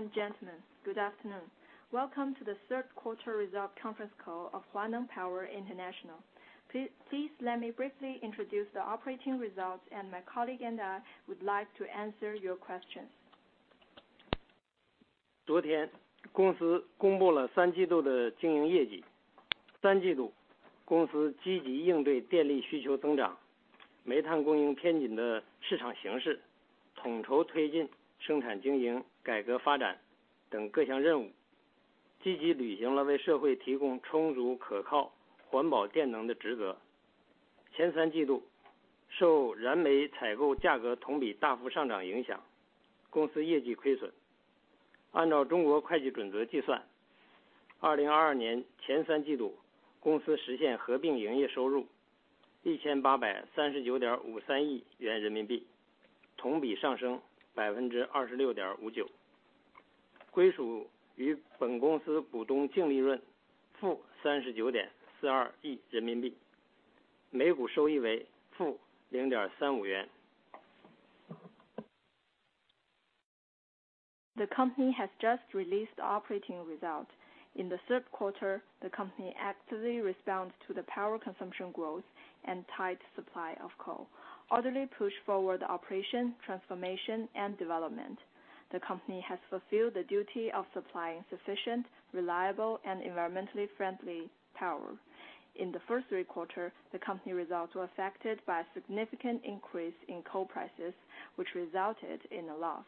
Ladies and gentlemen, good afternoon. Welcome to the third quarter result conference call of Huaneng Power International. Please let me briefly introduce the operating results and my colleague and I would like to answer your questions. The company has just released the operating result in the third quarter. The company actively respond to the power consumption growth and tight supply of coal. Orderly push forward the operation, transformation and development. The company has fulfilled the duty of supplying sufficient, reliable and environmentally friendly power. In the first three quarters, the company results were affected by a significant increase in coal prices, which resulted in a loss.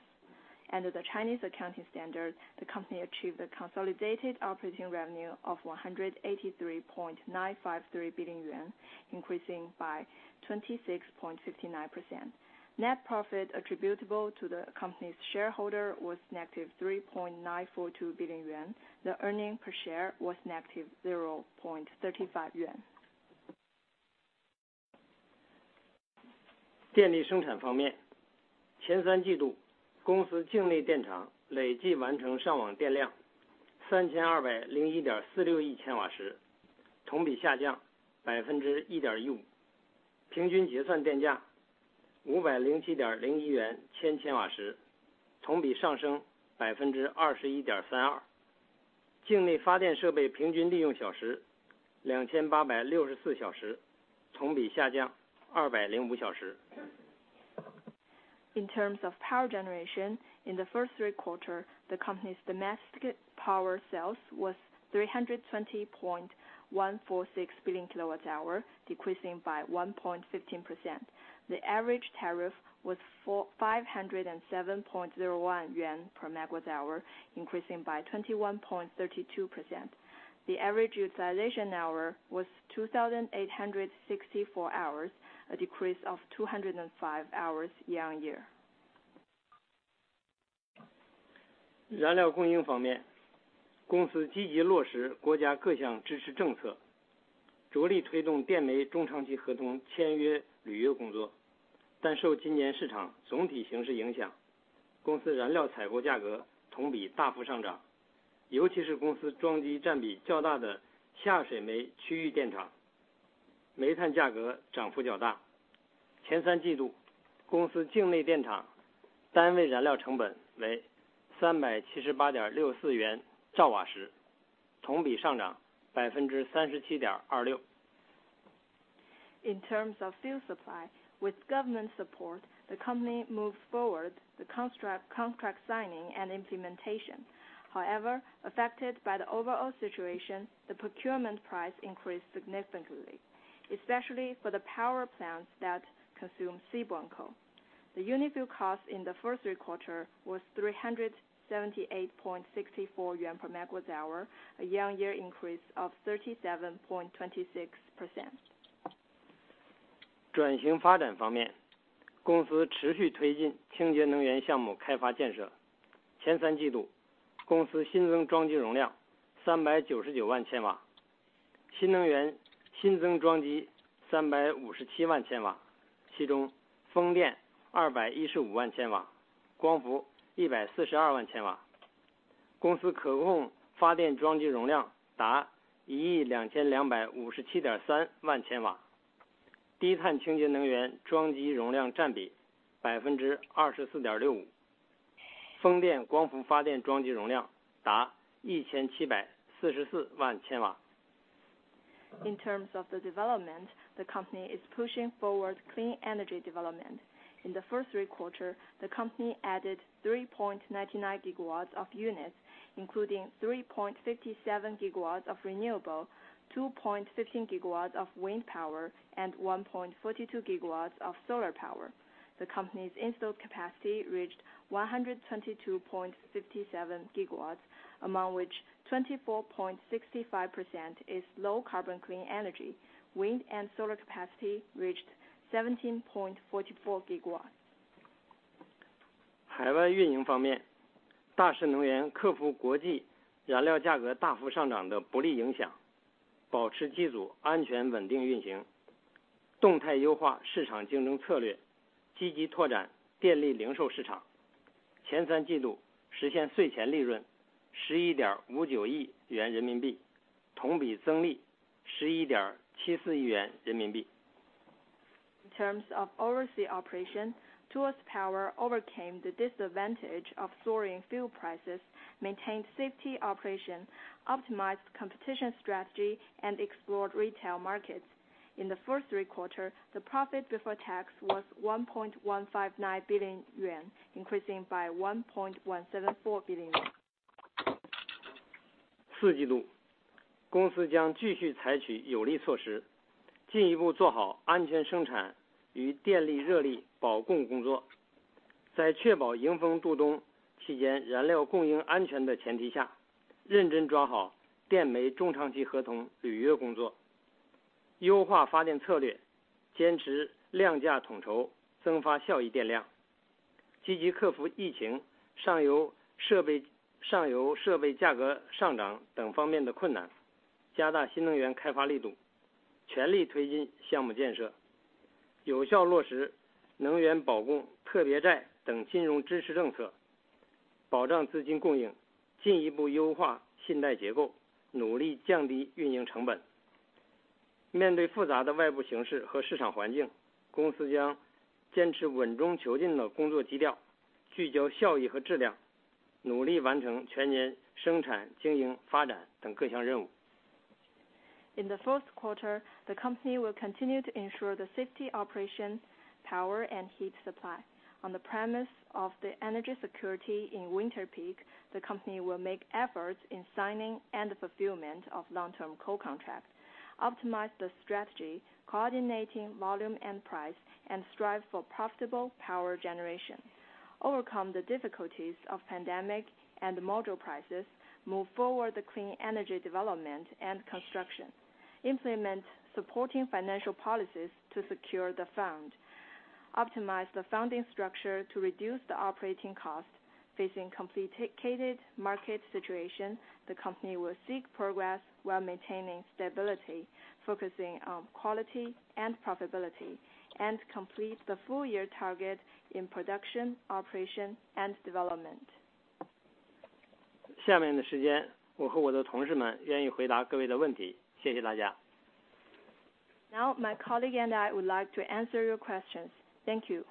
Under the Chinese Accounting Standards, the company achieved a consolidated operating revenue of 183.953 billion yuan, increasing by 26.59%. Net profit attributable to the company's shareholder was -3.942 billion yuan. The earnings per share was negative -0.35 yuan. 电力生产方面，前三季度公司境内电厂累计完成上网电量3,201.46亿千瓦时，同比下降1.15%。平均结算电价507.01元/千千瓦时，同比上升21.32%。境内发电设备平均利用小时2,864小时，同比下降205小时。In terms of power generation in the first three quarters, the company's domestic power sales was 320.146 billion kWhs, decreasing by 1.15%. The average tariff was 507.01 yuan per MWh, increasing by 21.32%. The average utilization hour was 2,864 hours, a decrease of 205 hours year-on-year. In terms of fuel supply with government support, the company moved forward the contract signing and implementation. However, affected by the overall situation, the procurement price increased significantly, especially for the power plants that consume seaborne coal. The unit fuel cost in the first three quarters was 378.64 yuan per MWh, a year-on-year increase of 37.26%. In terms of the development, the company is pushing forward clean energy development. In the first three quarters, the company added 3.99 GW of units, including 3.57 GW of renewable, 2.15 GW of wind power and 1.42 GW of solar power. The company's installed capacity reached 122.57 GW, among which 24.65% is low carbon clean energy. Wind and solar capacity reached 17.44 GW. 海外运营方面，大士能源克服国际燃料价格大幅上涨的不利影响，保持机组安全稳定运行，动态优化市场竞争策略，积极拓展电力零售市场。前三季度实现税前利润11.59亿元人民币，同比增利11.74亿元人民币。In terms of overseas operations, Tuas Power overcame the disadvantage of soaring fuel prices, maintained safe operation, optimized competitive strategy and explored retail markets. In the first three quarters, the profit before tax was 1.159 billion yuan, increasing by 1.174 billion yuan. In the fourth quarter, the company will continue to ensure the safe operations, power and heat supply on the premise of the energy security in winter peak. The company will make efforts in signing and fulfillment of long-term coal contract, optimize the strategy, coordinating volume and price, and strive for profitable power generation. Overcome the difficulties of pandemic and module prices. Move forward the clean energy development and construction. Implement supporting financial policies to secure the fund. Optimize the funding structure to reduce the operating cost. Facing complicated market situation, the company will seek progress while maintaining stability, focusing on quality and profitability, and complete the full-year target in production, operation and development. 下面的时间，我和我的同事们愿意回答各位的问题。谢谢大家。Now my colleague and I would like to answer your questions. Thank you.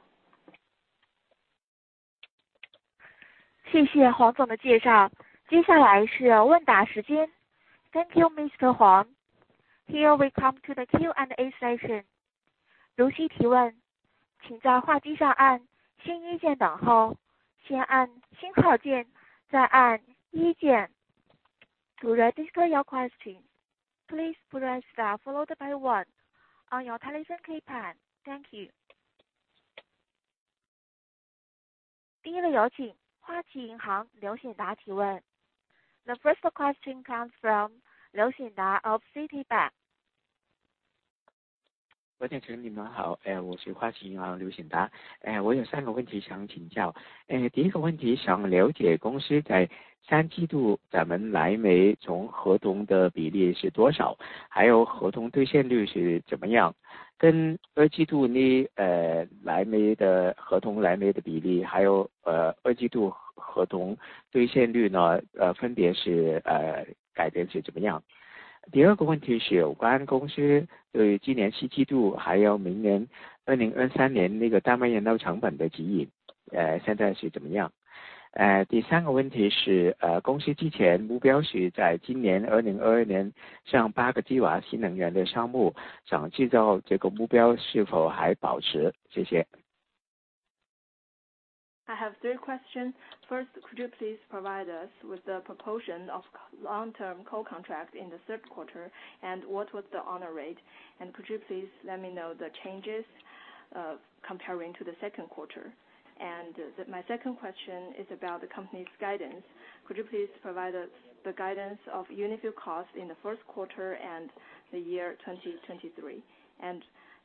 谢谢黄总的介绍，接下来是问答时间。Thank you, Mr. Huang. Here we come to the Q&A session. 如需提问，请在话机上按星一键，然后先按星号键，再按一键。To register your question, please press star followed by one on your telephone keypad. Thank you. 第一个有请花旗银行刘显达提问。The first question comes from Liu Xianda of Citibank. I have three questions. First, could you please provide us with the proportion of long-term coal contract in the third quarter? What was the honor rate? Could you please let me know the changes comparing to the second quarter? My second question is about the company's guidance. Could you please provide us the guidance of unit fuel costs in the first quarter and the year 2023?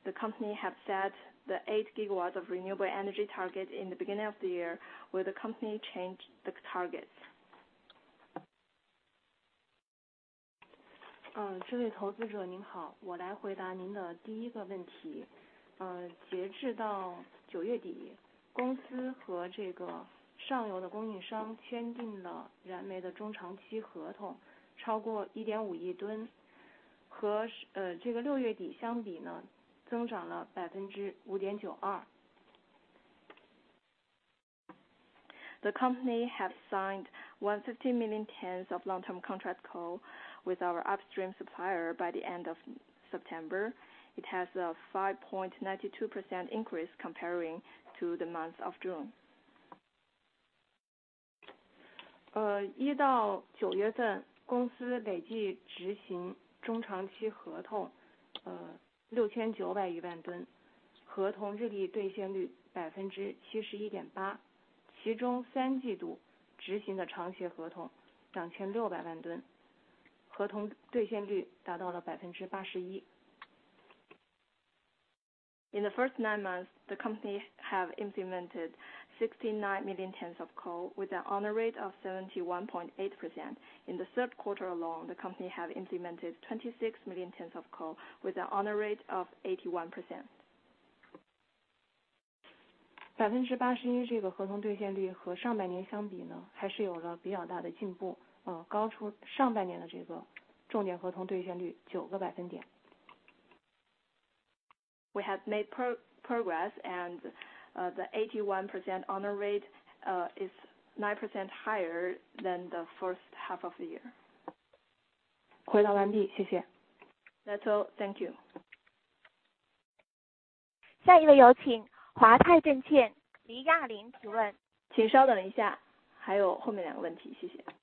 The company have set the 8 GW of renewable energy target in the beginning of the year. Will the company change the targets? The company have signed 150 million tons of long-term contract coal with our upstream supplier by the end of September. It has a 5.92% increase compared to the end of June. In the first nine months, the company have implemented 69 million tons of coal with a fulfillment rate of 71.8%. In the third quarter alone, the company have implemented 26 million tons of coal with a fulfillment rate of 81%. 81%这个合同兑现率和上半年相比，还是有了比较大的进步，高出上半年的这个重点合同兑现率9个百分点。We have made progress and the 81% honor rate is 9% higher than the first half of the year. 回答完毕，谢谢。That's all, thank you. 下一位，有请华泰证券黎亚林提问。请稍等一下，还有后面两个问题，谢谢。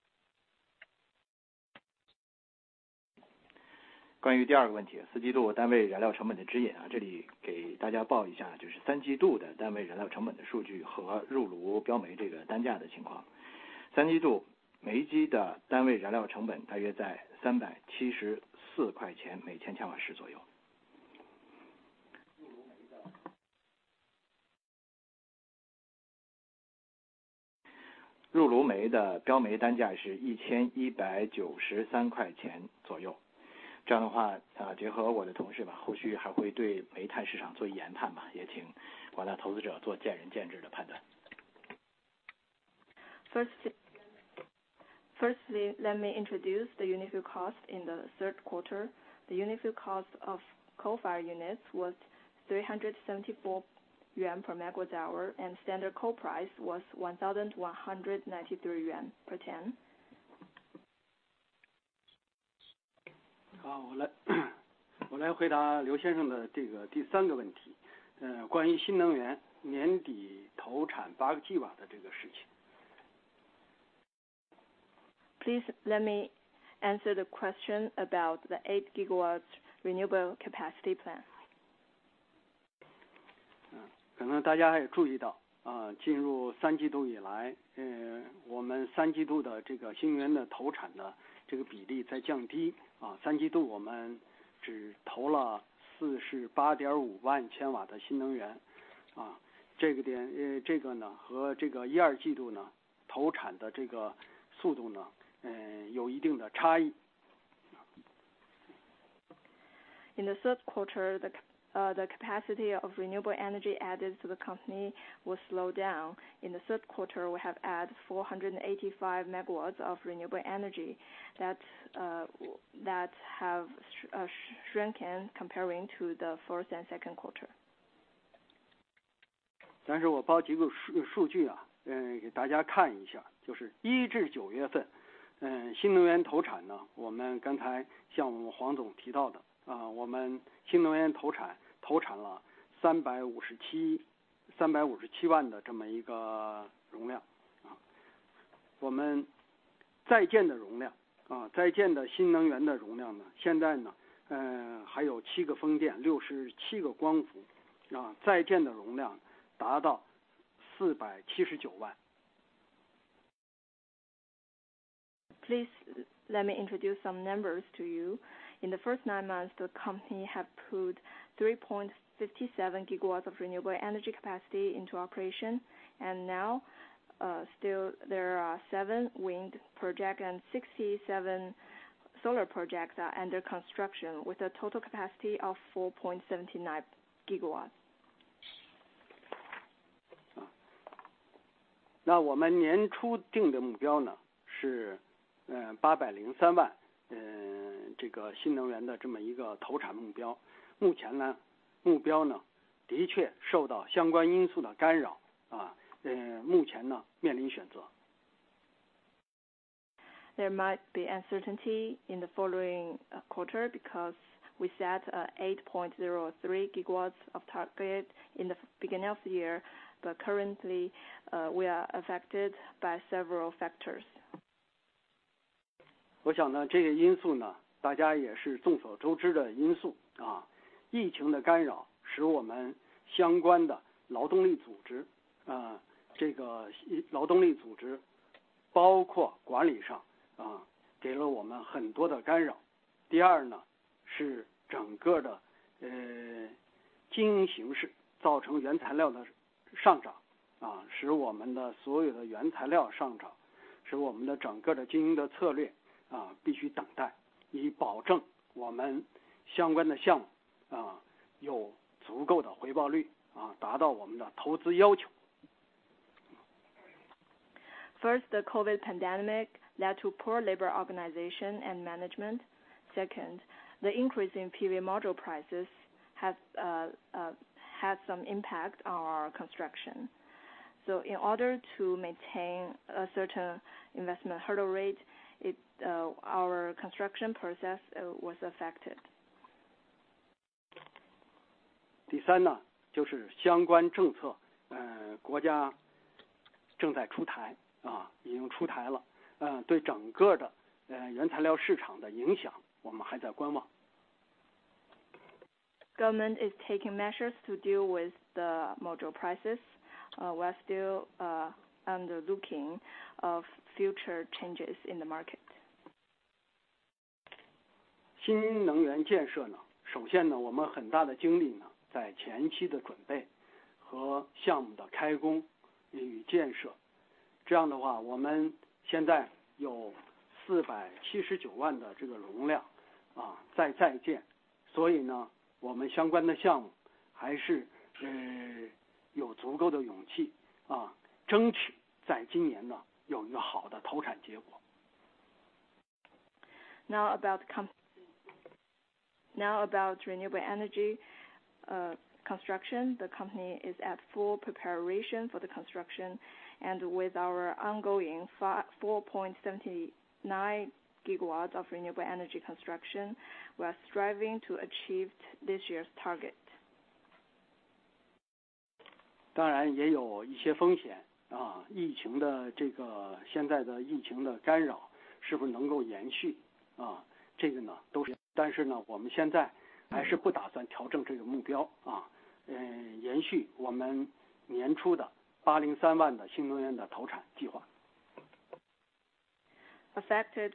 First, let me introduce the unit fuel cost in the third quarter. The unit fuel cost of coal-fired units was 374 yuan per mWh and standard coal price was 1,193 yuan per ton. 好，我来回答刘先生的这个第三个问题，关于新能源年底投产八个吉瓦的这个事情。Please let me answer the question about the 8 GW renewable capacity plan. 可能大家也注意到，进入三季度以来，我们三季度的新能源的投产的比例在降低，三季度我们只投了48.5万千瓦的新能源，这个和一二季度投产的速度，有一定的差异。In the third quarter, the capacity of renewable energy added to the company will slow down. In the third quarter, we have added 485 MW of renewable energy that have shrunken compared to the first and second quarter. 我报几个数据给大家看一下，就是一至九月份，新能源投产，我们刚才像黄总提到的，我们新能源投产了357万的这么一个容量。我们在建的容量，在建的新能源的容量，现在还有七个风电、六十七个光伏，在建的容量达到479万。Please let me introduce some numbers to you. In the first nine months, the company have put 3.57 GW of renewable energy capacity into operation, and now, still there are seven wind projects and 67 solar projects are under construction with a total capacity of 4.79 GW. 我们年初定的目标呢，是八百零三万，这个新能源的这么一个投产目标。目前呢，目标的确受到相关因素的干扰，目前面临选择。There might be uncertainty in the following quarter because we set 8.03 GW of target in the beginning of the year. Currently we are affected by several factors. First, the COVID pandemic led to poor labor organization and management. Second, the increase in PV module prices has had some impact on our construction. In order to maintain a certain investment hurdle rate, our construction process was affected. 第三呢，就是相关政策，国家正在出台，已经出台了，对整个的原材料市场的影响我们还在观望。Government is taking measures to deal with the PV module prices. We are still looking into future changes in the market. 新能源建设呢，首先呢，我们很大的精力呢，在前期的准备和项目的开工与建设。这样的话，我们现在有479万的这个容量啊在建。所以呢，我们相关的项目还是有足够的勇气啊，争取在今年呢，有一个好的投产结果。Now about company. Now about renewable energy, construction. The company is at full preparation for the construction and with our ongoing 4.79 GW of renewable energy construction. We are striving to achieve this year's target. 当然也有一些风险，疫情的干扰是否能够延续，这个都是。但是呢，我们现在还是不打算调整这个目标，延续我们年初的803万的新能源的投产计划。Affected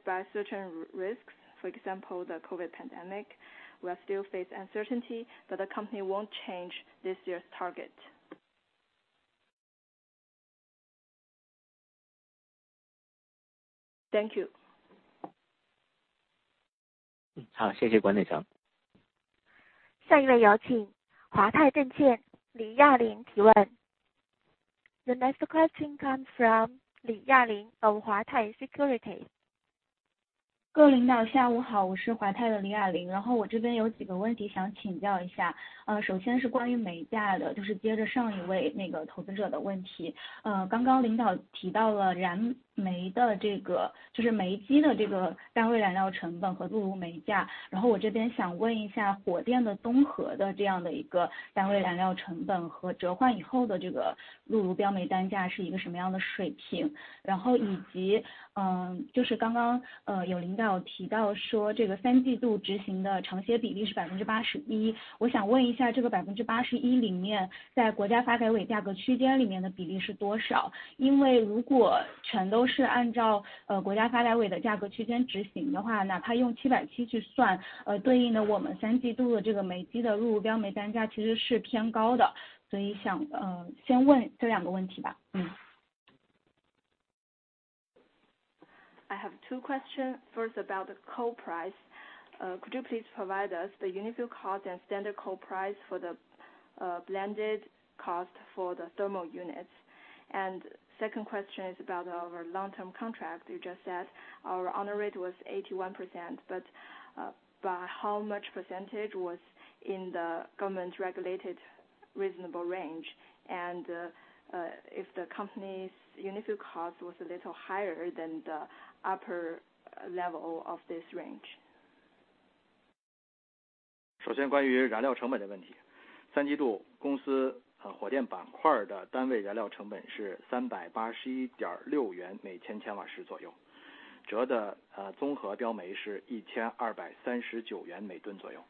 by certain risks. For example, the COVID pandemic. We are still facing uncertainty, but the company won't change this year's target. Thank you. 好，谢谢管总。下一位有请华泰证券李亚林提问。The next question comes from 李亚林 of 华泰 Securities. 各领导下午好，我是华泰的李亚林，我这边有几个问题想请教一下。首先是关于煤价的，就是接着上一位那个投资者的问题，刚刚领导提到了燃煤的这个，就是煤机的这个单位燃料成本和入炉煤价。我这边想问一下火电的综合的这样的一个单位燃料成本和折换以后的这个入炉标煤单价是一个什么样的水平，以及，就是刚刚有领导提到说这个三季度执行的长协比例是81%，我想问一下这个81%里面在国家发改委价格区间里面的比例是多少？因为如果全都是按照国家发改委的价格区间执行的话，哪怕用700去算，对应的我们三季度的这个煤机的入炉标煤单价其实是偏高的。所以想先问这两个问题吧。I have two questions, first about the coal price. Could you please provide us the unit fuel cost and standard coal price for the blended cost for the thermal units? Second question is about our long-term contract. You just said our fulfillment rate was 81%, but by how much percentage was in the government regulated reasonable range and if the company's unit fuel cost was a little higher than the upper level of this range. 首先关于燃料成本的问题。三季度公司火电板块的单位燃料成本是381.6元每千千瓦时左右，折的综合入炉标煤是1,239元每吨左右。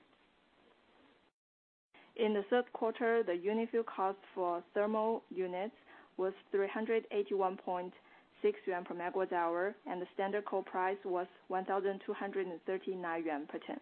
In the third quarter, the unit fuel cost for thermal units was 381.6 yuan per MWh and the standard coal price was 1,239 yuan per ton.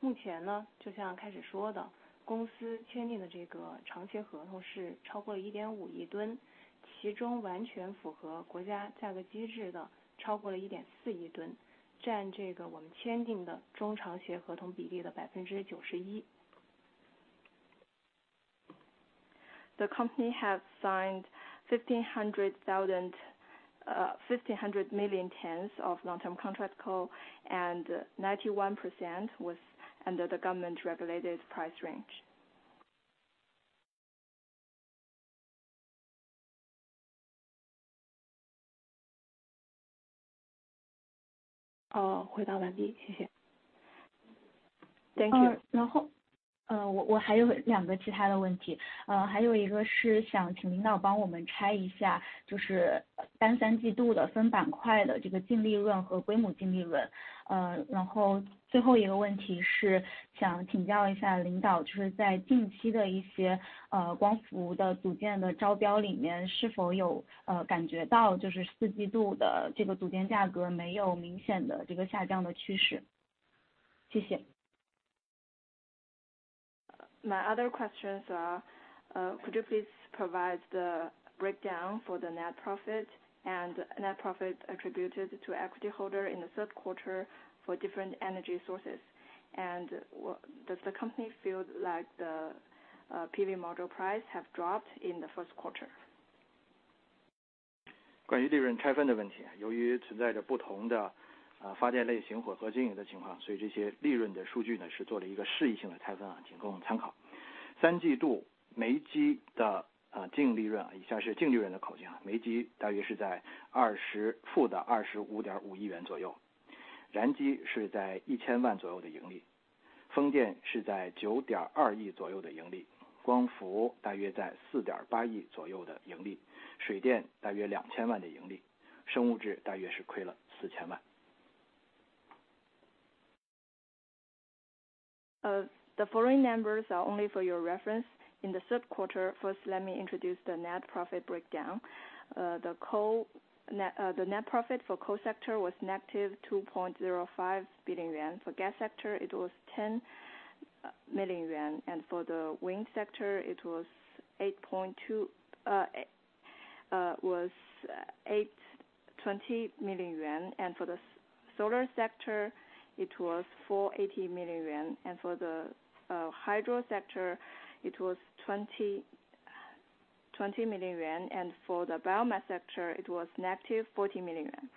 目前，就像开始说的，公司签订的这个长协合同是超过了1.5亿吨，其中完全符合国家价格机制的超过了1.4亿吨，占这个我们签订的中长期合同比例的91%。The company has signed 1.5 billion tons of long-term contract coal and 91% was under the government regulated price range. 好，回答完毕，谢谢。My other questions are could you please provide the breakdown for the net profit and net profit attributed to equity holder in the third quarter for different energy sources? Does the company feel like the PV module price have dropped in the first quarter? The following numbers are only for your reference. In the third quarter, first let me introduce the net profit breakdown, the net profit for coal sector was negative 2.05 billion yuan. For gas sector it was 10 million yuan, and for the wind sector it was RMB 82 million, and for the solar sector it was 48 million yuan, and for the hydro sector it was 20 million yuan, and for the biomass sector it was negative 40 million yuan.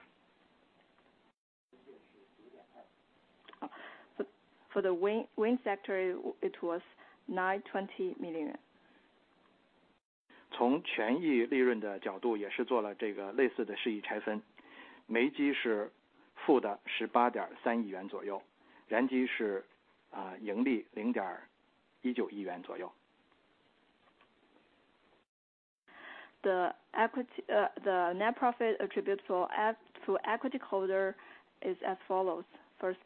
For the wind sector it was 92 million. 从权益利润的角度也是做了这个类似的事业拆分。煤机是负的18.3亿元左右，燃机是盈利0.19亿元左右。The net profit attributable to equity holders is as follows. First,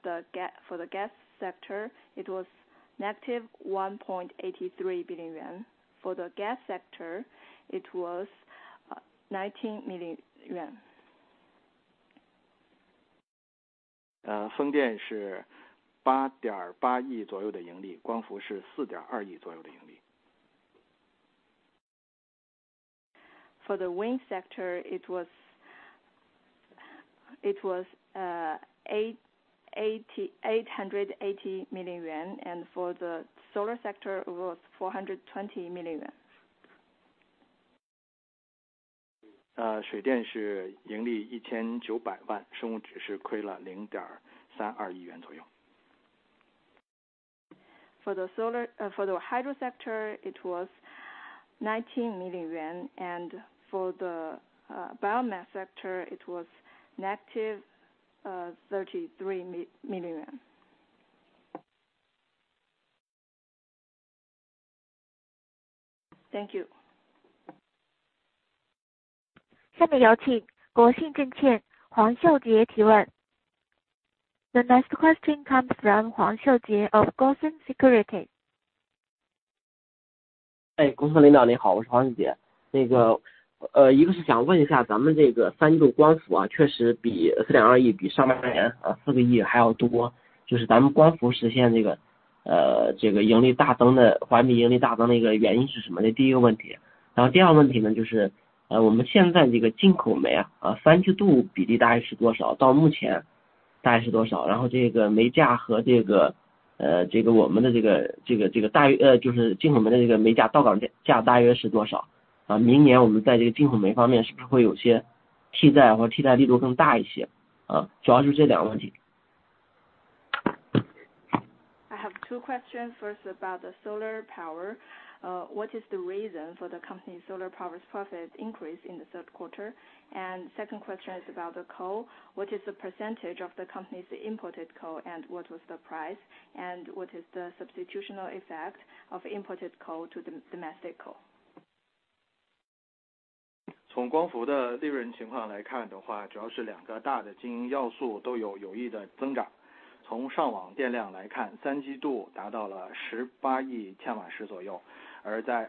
for the gas sector it was -1.83 billion yuan. For the gas sector it was 19 million yuan. 风电是8.8亿左右的盈利，光伏是4.2亿左右的盈利。For the wind sector it was 880 million yuan, and for the solar sector it was 420 million yuan. 水电是盈利1,900万，生物质是亏了约0.32亿元。For the hydro sector it was 19 million yuan, and for the biomass sector it was -33 million yuan. Thank you. 下面有请国信证券黄秀杰提问。The next question comes from 黄秀杰 of 国信 Securities。国信领导您好，我是黄秀杰。一个是想问一下，咱们这个三季度光伏啊，确实比4.2亿，比上半年啊4个亿还要多。就是咱们光伏实现这个盈利大增的，环比盈利大增的一个原因是什么呢？第一个问题。然后第二个问题呢，就是我们现在这个进口煤啊，三季度比例大概是多少？到目前大概是多少？然后这个煤价和这个，我们的这个，大约，就是进口煤的这个煤价到岸价大约是多少？明年我们在这个进口煤方面是不是会有一些替代，或替代力度更大一些？主要是这两个问题。I have two questions, first about the solar power. What is the reason for the company solar power's profit increase in the third quarter? Second question is about the coal. What is the percentage of the company's imported coal? What was the price? What is the substitution effect of imported coal to the domestic coal? 从光伏的利润情况来看，主要是两个大的经营要素都有有意的增长。从上网电量来看，三季度达到了18亿千瓦时左右，而在二季度呢，大约是在16.48亿千瓦时左右。The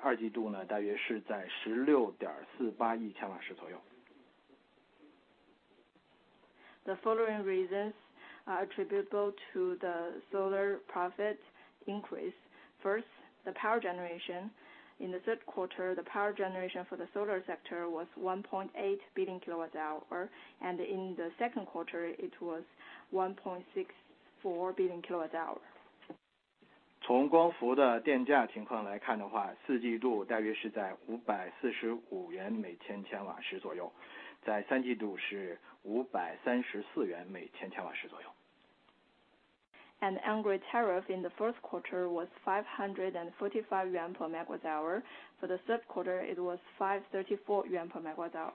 following reasons attributable to the solar profit increase. First, the power generation in the third quarter, the power generation for the solar sector was 1.8 billion kWh, and in the second quarter it was 1.64 billion kWh. 从光伏的电价情况来看的话，四季度大约是在545元每千瓦时左右，三季度是534元每千瓦时左右。On-grid tariff in the first quarter was 545 yuan per mWh. for the third quarter it was 534 yuan per mWh.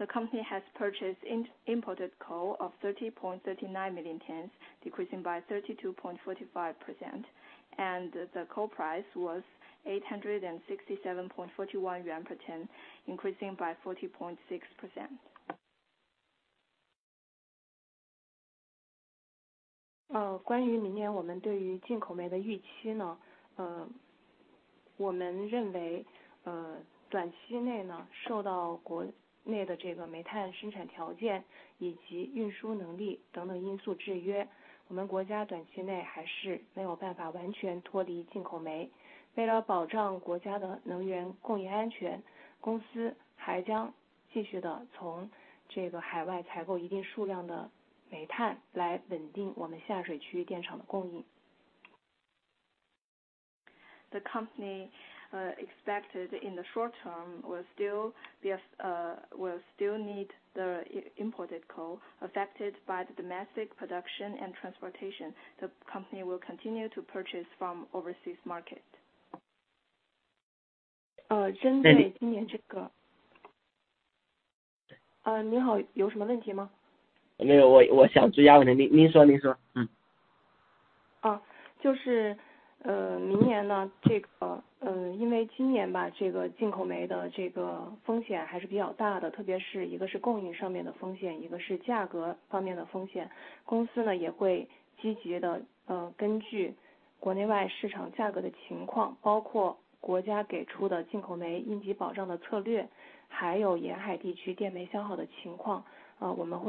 The company has purchased imported coal of 30.39 million tons, decreasing by 32.45%, and the coal price was 867.41 yuan per ton, increasing by 40.6%. 关于明年我们对于进口煤的预期，我们认为短期内，受到国内的煤炭生产条件以及运输能力等等因素制约，我们国家短期内还是没有办法完全脱离进口煤。为了保障国家的能源供应安全，公司还将继续地从海外采购一定数量的煤炭，来稳定我们下水区域电厂的供应。The company expected in the short term will still need the imported coal affected by the domestic production and transportation. The company will continue to purchase from overseas market. 针对今年这个，您好，有什么问题吗？ 我想追加问题，您说，您说。嗯。In the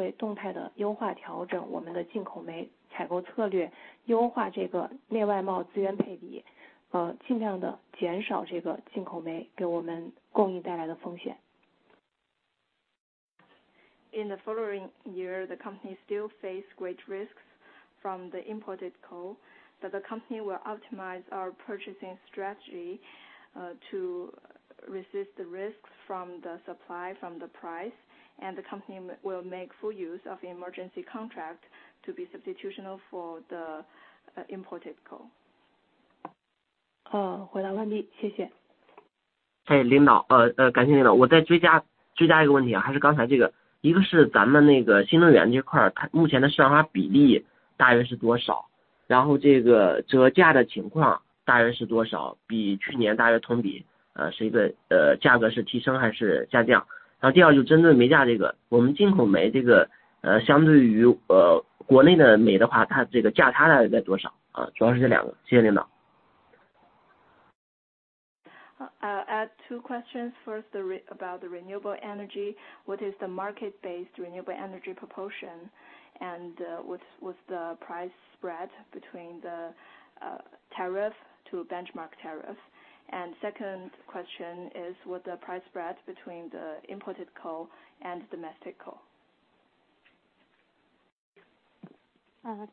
following year, the company still face great risks from the imported coal. The company will optimize our purchasing strategy, to resist the risks from the supply, from the price. The company will make full use of emergency contract to be substitutional for the imported coal. 回答完毕，谢谢。领导，感谢领导，我再追加一个问题，还是刚才这个。一个是咱们那个新能源这块，它目前的消纳比例大约是多少，然后这个折价的情况大约是多少，比去年大约同比，价格是提升还是下降。那第二就针对煤价这个，我们进口煤这个，相对于国内的煤的话，它这个价差大概在多少？主要是这两个。谢谢领导。Add two questions. First about the renewable energy. What is the market based renewable energy proportion? What's the price spread between the tariff to benchmark tariff? Second question is what the price spread between the imported coal and domestic coal.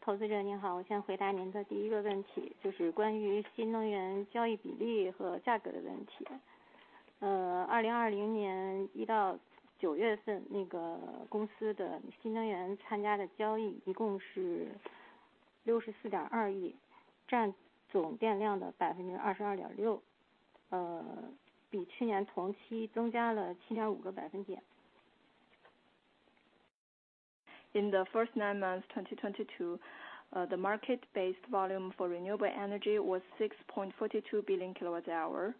投资者您好，我先回答您的第一个问题，就是关于新能源交易比例和价格的问题。2020年一到九月份，公司的新能源参加的交易一共是64.2亿，占总电量的22.6%，比去年同期增加了7.5个百分点。In the first nine months 2022, the market based volume for renewable energy was 6.42 billion kWh.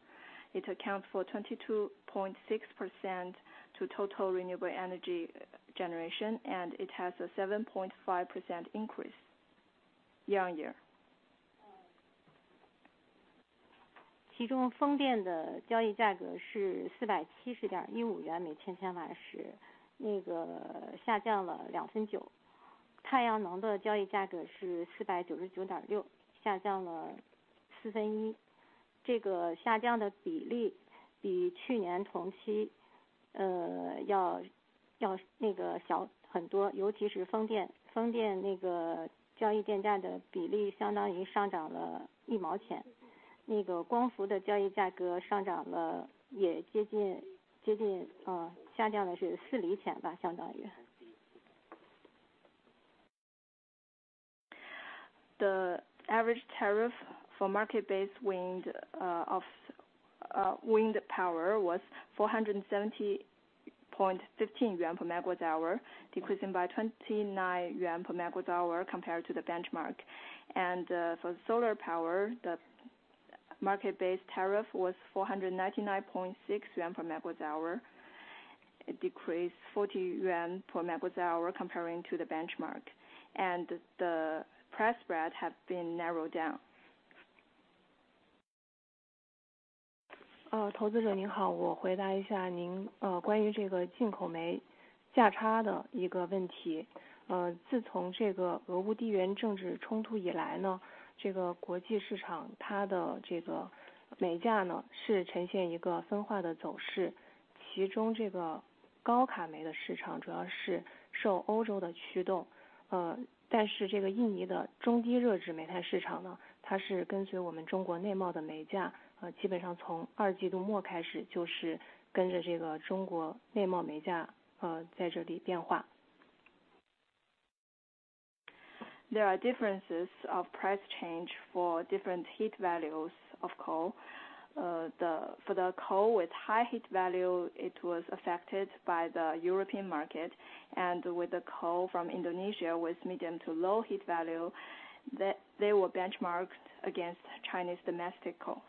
It accounts for 22.6% of total renewable energy generation, and it has a 7.5% increase year-on-year. 其中风电的交易价格是¥470.15元每千瓦时，下降了两分九。太阳能的交易价格是¥499.6，下降了四分之一。这个下降的比例比去年同期要小很多，尤其是风电，风电的交易电价的比例相当于上涨了一毛钱，光伏的交易价格上涨了也接近，下降了是四厘钱，相当于。The average tariff for market-based wind power was RMB 470.15 per mWh, decreasing by 29 yuan per mWh compared to the benchmark. For solar power, the market-based tariff was 499.6 yuan per mWh. It decreased 40 yuan per mWh comparing to the benchmark, and the price spread have been narrowed down. There are differences of price change for different heat values of coal. For the coal with high heat value, it was affected by the European market. With the coal from Indonesia with medium to low heat value, they were benchmarked against Chinese domestic coal.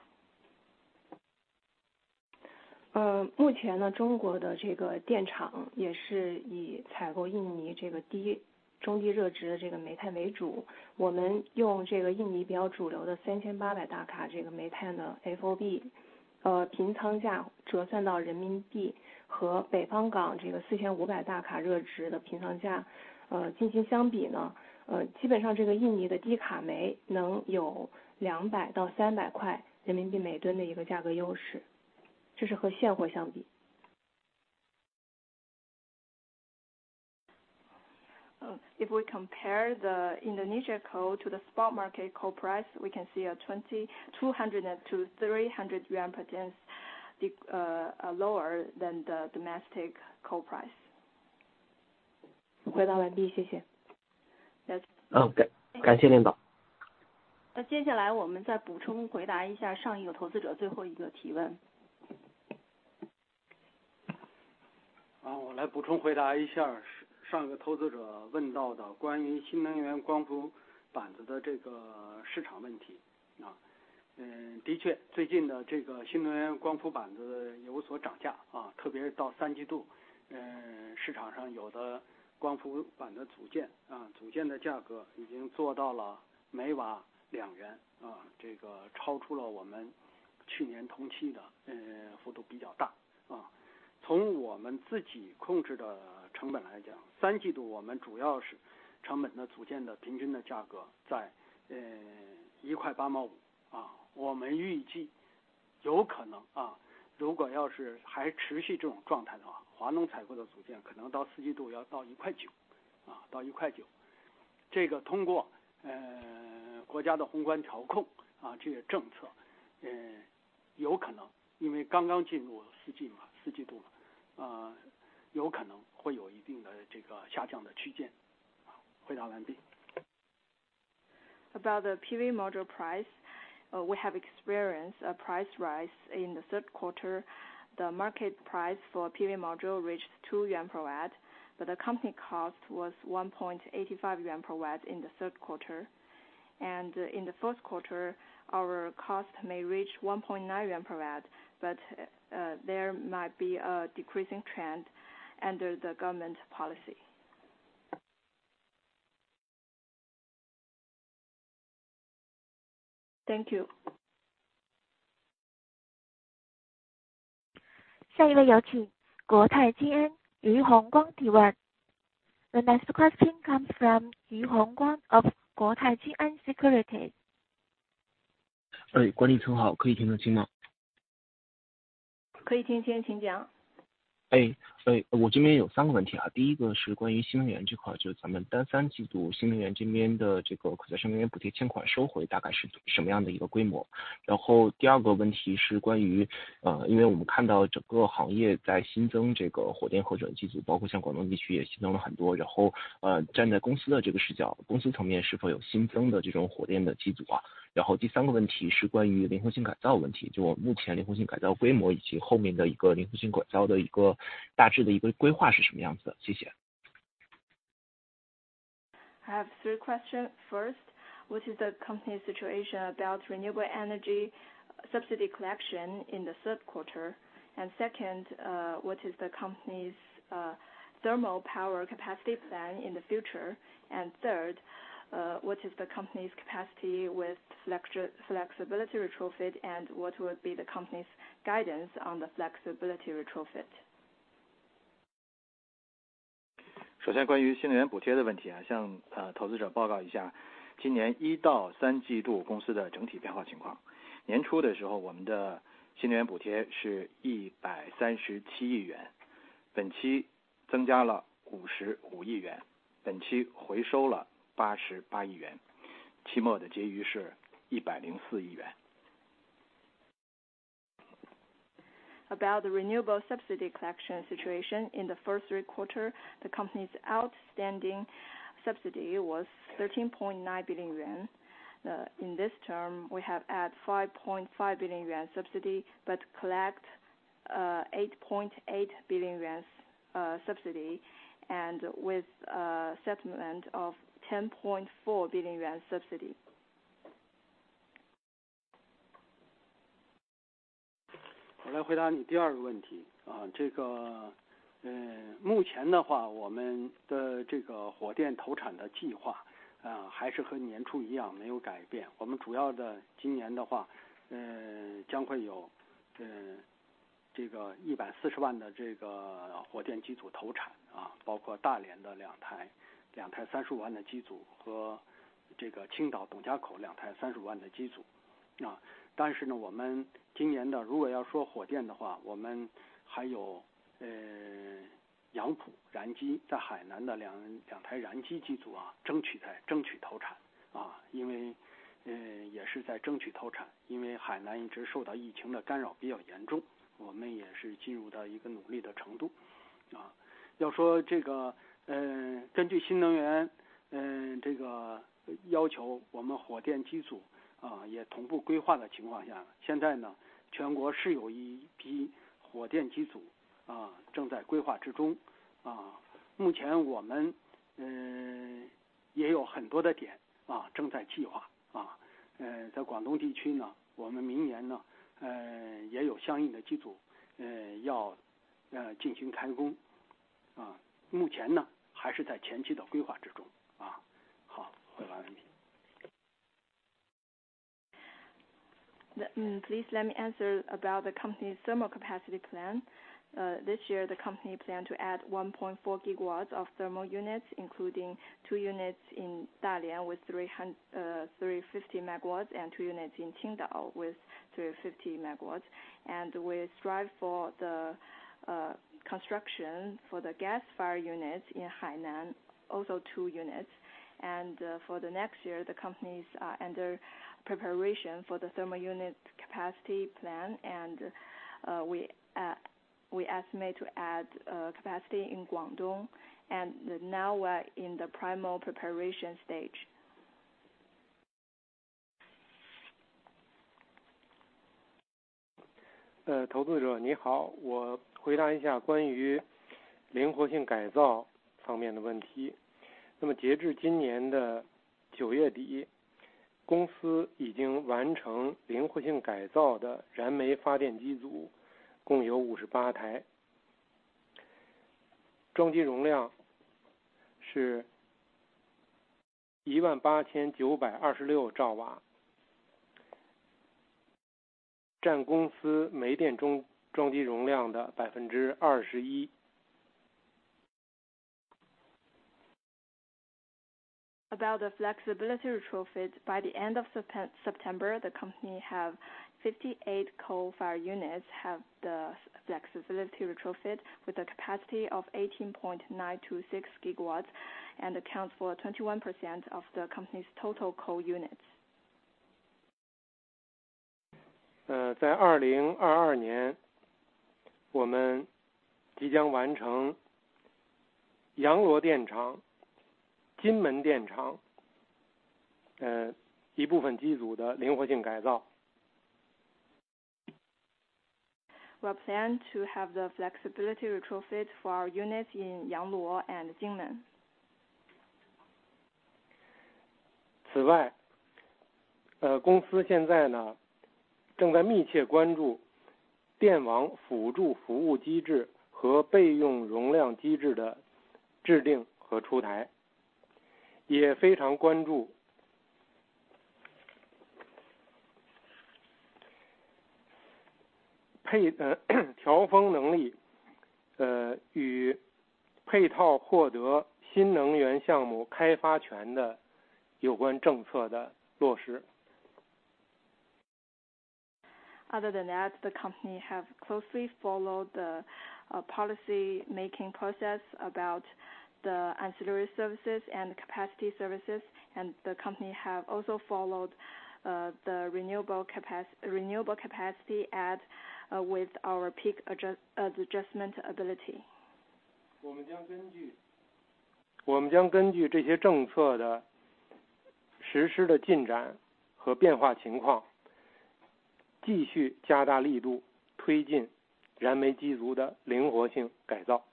If we compare the Indonesian coal to the spot market coal price, we can see a 200-300 yuan per ton lower than the domestic coal price. 回答完毕，谢谢。Yes。感谢您吧。那接下来我们再补充回答一下上一个投资者最后一个提问。About the PV module price, we have experienced a price rise in the third quarter. The market price for PV module reached 2 yuan per watt, but the company cost was 1.85 yuan per watt in the third quarter. In the fourth quarter, our cost may reach 1.9 yuan per watt, but there might be a decreasing trend under the government policy. Thank you. 下一位有请国泰君安俞宏光提问。The next question comes from 俞宏光 of 国泰君安 Securities. 管理层好，可以听得清吗？ 可以听清，请讲。I have three questions. First, what is the company's situation about renewable energy subsidy collection in the third quarter? Second, what is the company's thermal power capacity plan in the future? Third, what is the company's capacity with flexibility retrofit? What would be the company's guidance on the flexibility About the renewable subsidy collection situation in the first three quarters, the company's outstanding subsidy was 13.9 billion yuan. In this term, we have added 5.5 billion yuan subsidy, but collected 8.8 subsidy and with a settlement of 10.4 billion yuan subsidy. Please let me answer about the company's thermal capacity plan. This year the company planned to add 1.4 GW of thermal units, including two units in Dalian with 350 MW and two units in Qingdao with 350 MW and we strive for the construction for the gas-fired unit in Hainan also two units. For the next year, the companies are under preparation for the thermal unit capacity plan. We estimate to add capacity in Guangdong and now we're in the preliminary preparation stage. About the flexibility retrofit, by the end of September, the company have 58 coal-fired units have the flexibility retrofit with a capacity of 18.926 GW and accounts for 21% of the company's total coal units. 在2022年，我们即将完成杨罗电厂、金陵电厂一部分机组的灵活性改造。We plan to have the flexibility retrofit for our units in Yangluo and Jinling. 此外，公司现在正在密切关注电网辅助服务机制和备用容量机制的制定和出台，也非常关注调峰能力与配套获得新能源项目开发权的有关政策的落实。Other than that, the company have closely followed the policy making process about the ancillary services and capacity services, and the company have also followed the renewable capacity added with our peak adjustment ability. 我们将根据这些政策的实施的进展和变化情况，继续加大力度，推进燃煤机组的灵活性改造。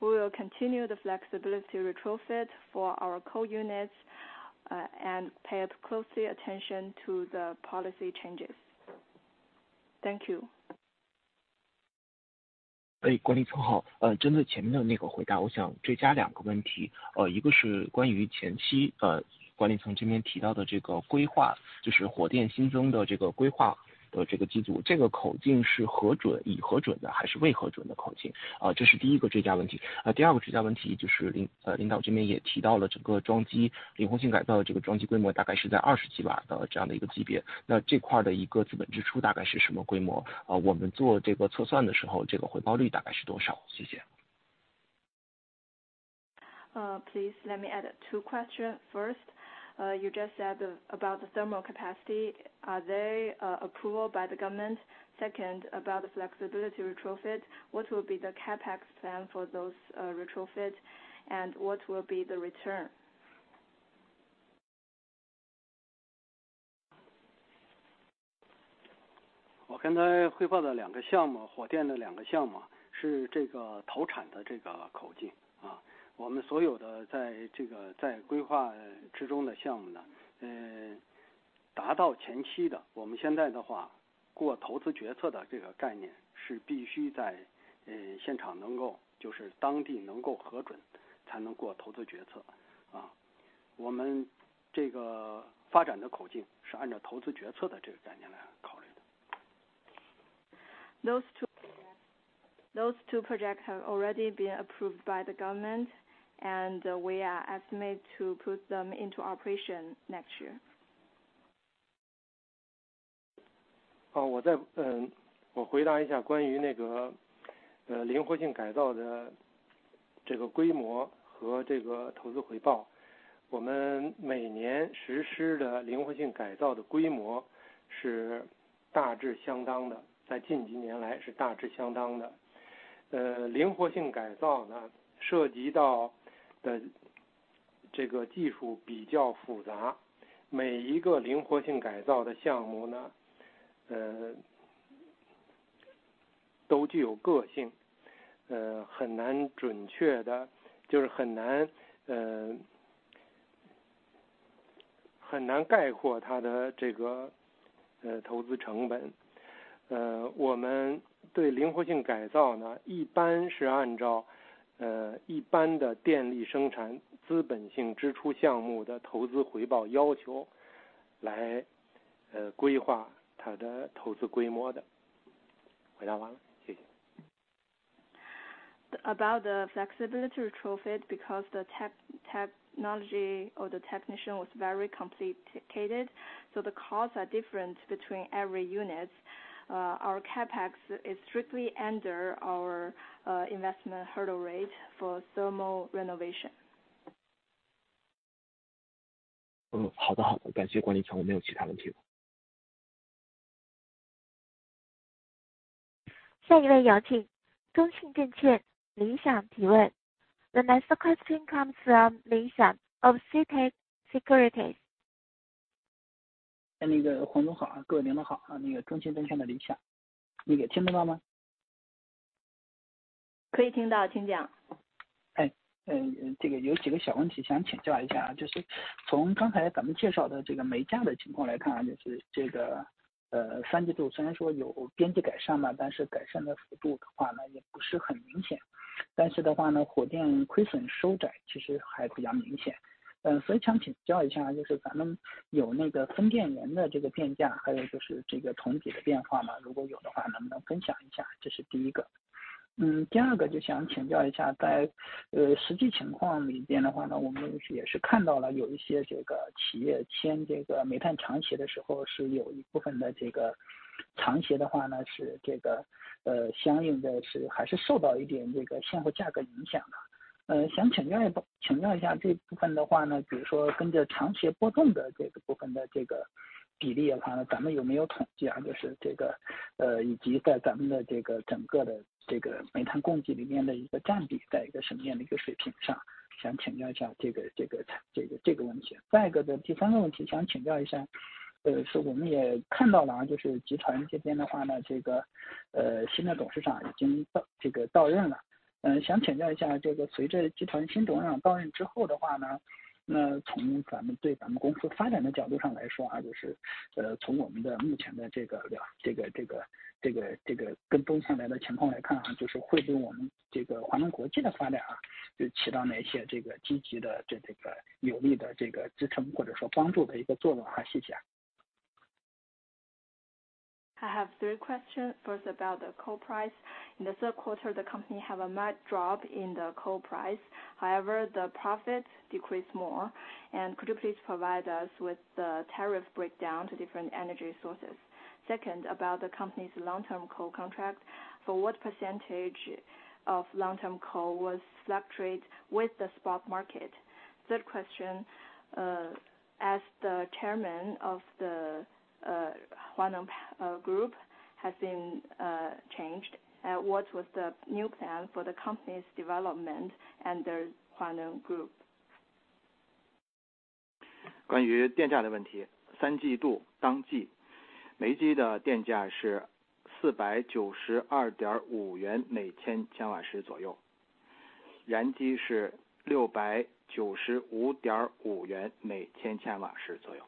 We will continue the flexibility retrofit for our coal units, and pay closely attention to the policy changes. Thank you. 管理层好。针对前面的那个回答，我想追加两个问题。一个是关于前期管理层这边提到的这个规划，就是火电新增的这个规划的这个机组，这个口径是核准、已核准的还是未核准的口径，啊。这是第一个追加问题。那第二个追加问题就是领导这边也提到了，整个装机灵活性改造的这个装机规模大概是在二十几瓦的这样的一个级别，那这块的一个资本支出大概是什么规模，我们做这个测算的时候，这个回报率大概是多少？谢谢。Please let me add two questions. First, you just said about the thermal capacity. Are they approved by the government? Second, about the flexibility retrofit. What will be the CapEx plan for those retrofits? And what will be the return? 我刚才汇报的两个项目，火电的两个项目是这个投产的这个口径。我们所有的在规划之中的项目，达到前期的，我们现在的话，过投资决策的这个概念是必须在现场能够，就是当地能够核准，才能过投资决策。我们这个发展的口径是按照投资决策的这个概念来考虑的。Those two projects have already been approved by the government and we estimate to put them into operation next year. About the flexibility retrofit because the technology or the technique was very complicated, so the costs are different between every unit. Our CapEx is strictly under our investment hurdle rate for thermal renovation. 好的，感谢管理层，我没有其他问题了。下一位有请中信建投林想提问。The next question comes from Li Xiang of CITIC Securities. I have three questions, first about the coal price. In the third quarter, the company have a mild drop in the coal price. However, the profit decreased more. Could you please provide us with the tariff breakdown to different energy sources? Second, about the company's long term coal contract, for what percentage of long term coal was flat trade with the spot market? Third question, as the chairman of the Huaneng Group has been changed, what was the new plan for the company's development and the Huaneng Group? 关于电价的问题，三季度当季煤机的电价是492.5元每千千瓦时左右，燃机是695.5元每千千瓦时左右。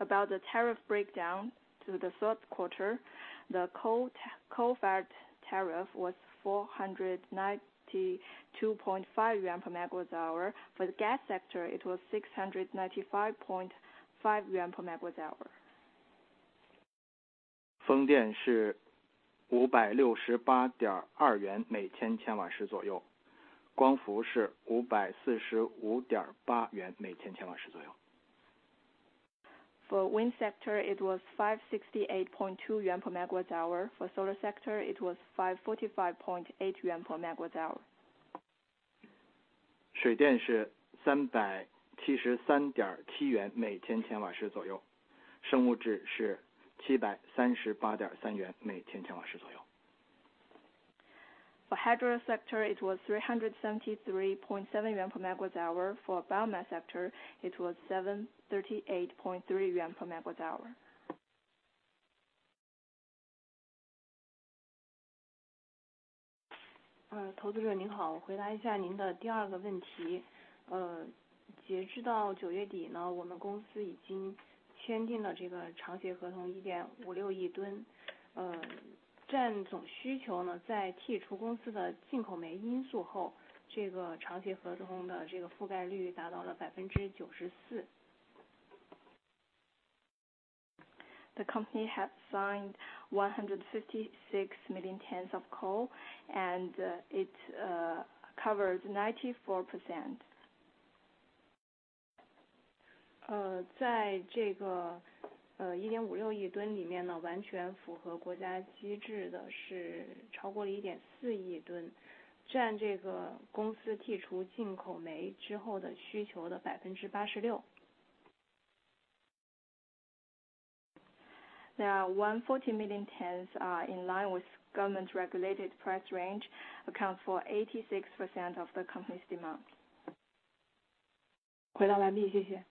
About the tariff breakdown to the third quarter, the coal-fired tariff was 492.5 yuan per mWh. for the gas sector it was 695.5 yuan per mWh. 风电是568.2元每千千瓦时左右，光伏是545.8元每千千瓦时左右。For wind sector it was 568.2 yuan per mWh. for solar sector it was 545.8 yuan per mWh. 水电是373.7元每千瓦时左右，生物质是738.3元每千瓦时左右。For hydro sector it was ¥373.7 per mWh. For biomass sector it was ¥738.3 per mWh. 投资者您好，我回答一下您的第二个问题。截至到九月底，我们公司已经签订了这个长协合同1.56亿吨，占总需求，在剔除公司的进口煤因素后，这个长协合同的覆盖率达到了94%。The company has signed 156 million tons of coal and it covers 94%. 在这个1.56亿吨里面，完全符合国家机制的是超过了1.4亿吨，占这个公司剔除进口煤之后的需求的86%。There are 140 million tons are in line with government regulated price range, account for 86% of the company's demand. 回答完毕，谢谢。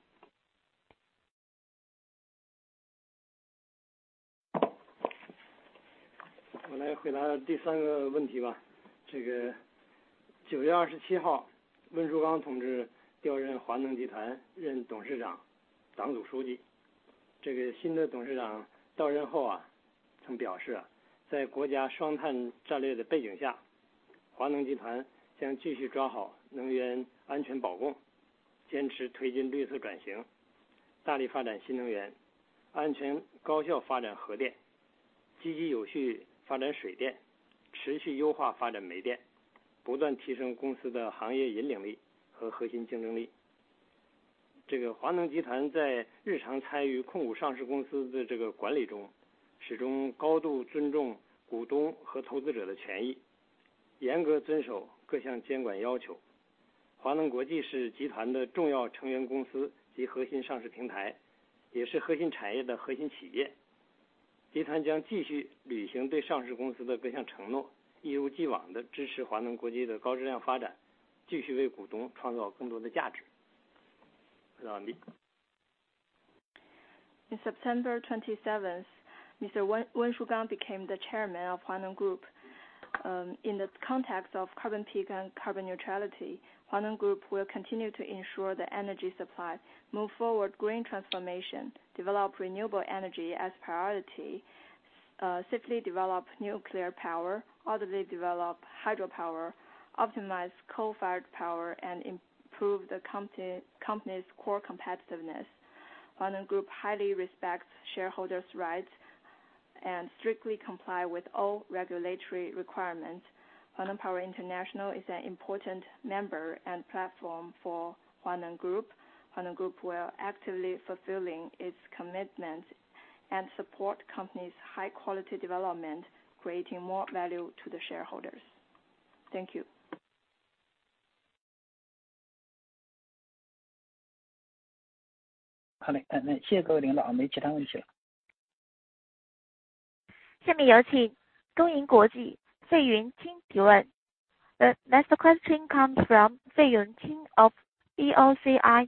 In September 27, Mr. Wen Shugang became the chairman of China Huaneng Group. In the context of carbon peak and carbon neutrality, China Huaneng Group will continue to ensure the energy supply move forward green transformation, develop renewable energy as priority, safely develop nuclear power, orderly develop hydropower, optimize coal-fired power, and improve the company's core competitiveness. China Huaneng Group highly respects shareholders' rights and strictly comply with all regulatory requirements. Huaneng Power International is an important member and platform for China Huaneng Group. China Huaneng Group will actively fulfilling its commitment and support company's high quality development, creating more value to the shareholders. Thank you. 好嘞，那谢谢各位领导，没其他问题。下面有请东英国际费云清提问。The next question comes from 费云清 of BOCI。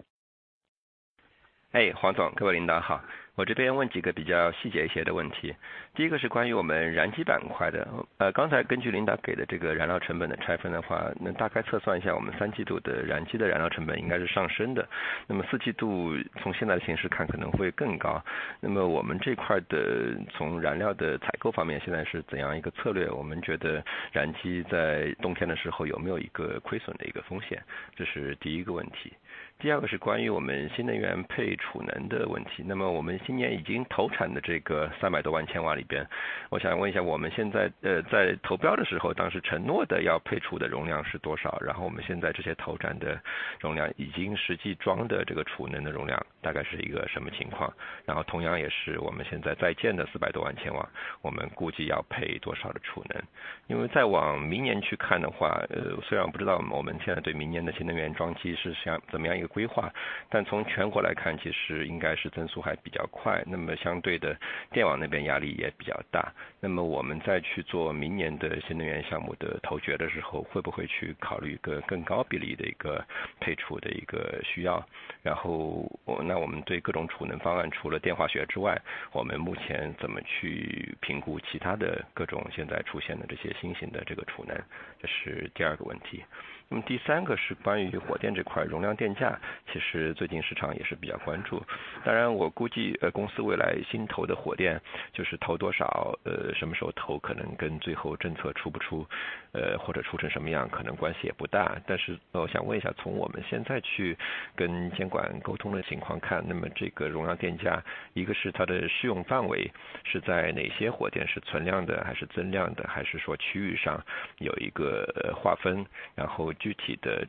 I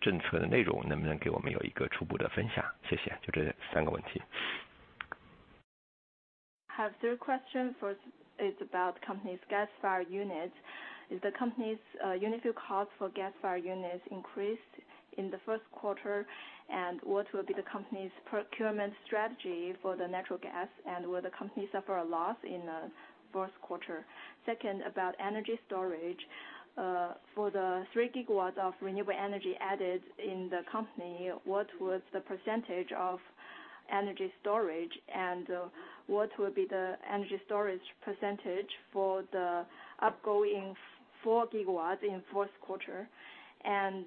have three questions. First is about the company's gas-fired units. Is the company's unit fuel cost for gas-fired units increased in the first quarter? What will be the company's procurement strategy for the natural gas, and will the company suffer a loss in the fourth quarter? Second, about energy storage, for the 3 GW of renewable energy added in the company, what was the percentage of energy storage, and what will be the energy storage percentage for the outgoing 4 GW in the fourth quarter, and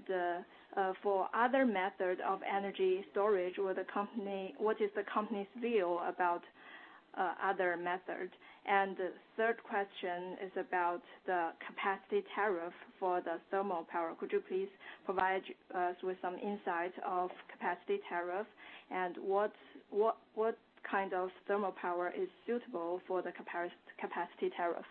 for other methods of energy storage with the company, what is the company's view about other methods? Third question is about the capacity tariff for the thermal power. Could you please provide us with some insight of capacity tariff? What kind of thermal power is suitable for the capacity tariff?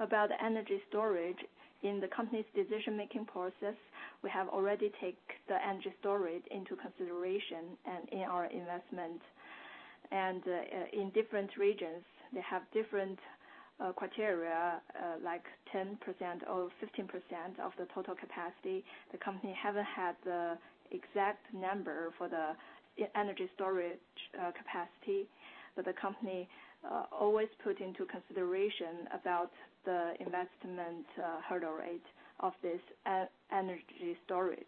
About energy storage in the company's decision-making process, we have already take the energy storage into consideration and in our investment and in different regions, they have different criteria like 10% or 15% of the total capacity. The company haven't had the exact number for the energy storage capacity. The company always put into consideration about the investment hurdle rate of this energy storage.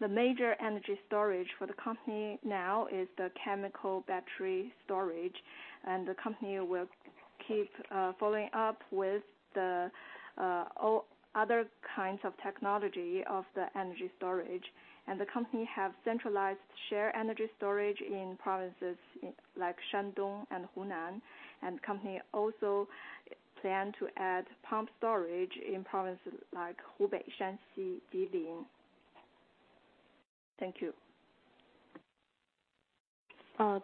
The major energy storage for the company now is the chemical battery storage and the company will keep following up with the other kinds of technology of the energy storage and the company have centralized shared energy storage in provinces like Shandong and Hunan. Company also plan to add pumped storage in provinces like Hubei, Shanxi, Jilin. Thank you.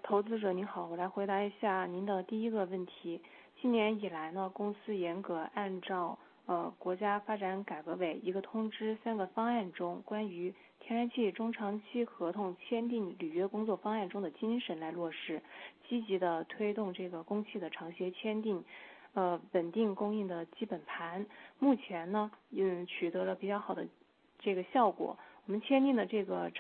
投资者您好，我来回答一下您的第一个问题。今年以来，公司严格按照国家发展改革委一个通知三个方案中关于天然气中长期合同签订履约工作方案中的精神来落实，积极地推动这个供气的长协签订，稳定供应的基本盘。目前，取得了比较好的这个效果。我们签订的这个长协合同天然气的量，占年度计划需求量的94%，签订率也是大幅高于其他的可比公司。Under the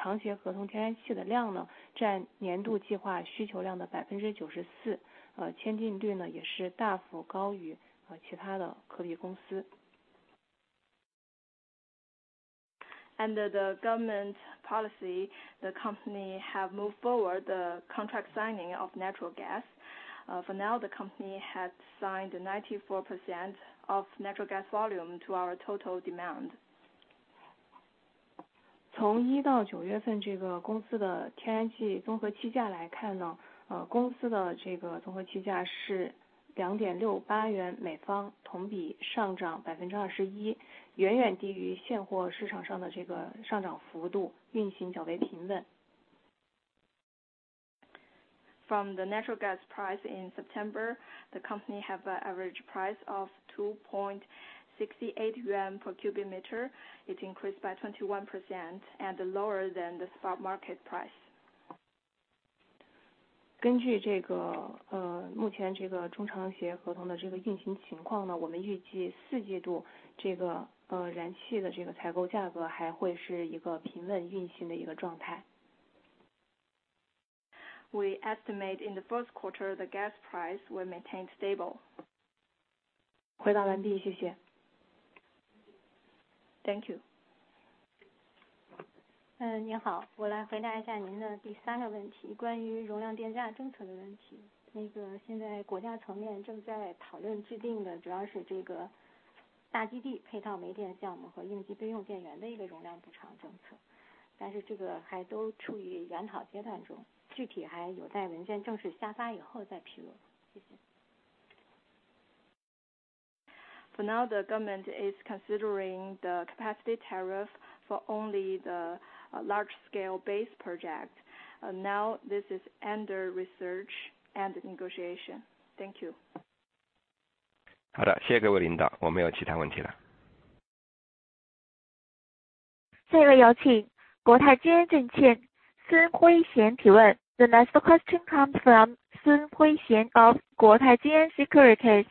government policy, the company have moved forward the contract signing of natural gas. For now, the company had signed 94% of natural gas volume to our total demand. 从一到九月份，公司的天然气综合气价是2.68元每方，同比上涨21%，远远低于现货市场上的上涨幅度，运行较为平稳。From the natural gas price in September, the company have an average price of 2.68 yuan per cubic meter. It increased by 21% and lower than the spot market price. 根据目前中长期合同的运行情况，我们预计四季度燃煤的采购价格还会是一个平稳运行的状态。We estimate in the first quarter the gas price will maintain stable. 回答完毕，谢谢。Thank you. 您好，我来回答一下您的第三个问题，关于容量电价政策的问题。现在国家层面正在讨论制定的主要是这个大基地配套煤电项目和应急备用电源的一个容量补偿政策，但是这个还都处于研讨阶段中，具体还有待文件正式下发以后再披露。谢谢。For now, the government is considering the capacity tariff for only the large scale base project. Now this is under research and negotiation. Thank you. 好的，谢谢各位领导，我没有其他问题了。下一位，有请国泰君安证券孙辉贤提问。The next question comes from 孙辉贤 of 国泰君安 Securities.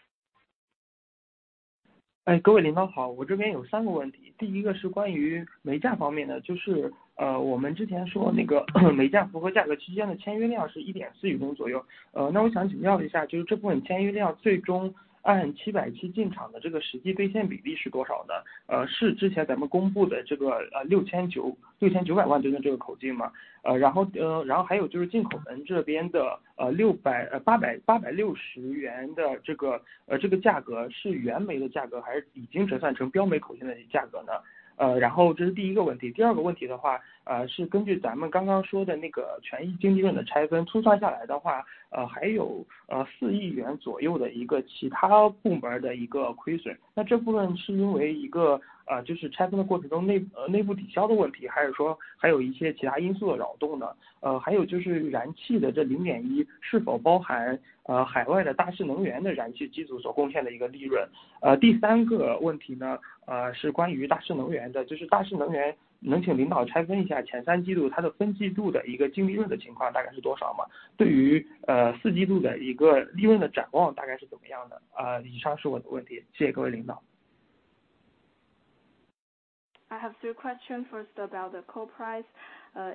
I have three questions, first about the coal price.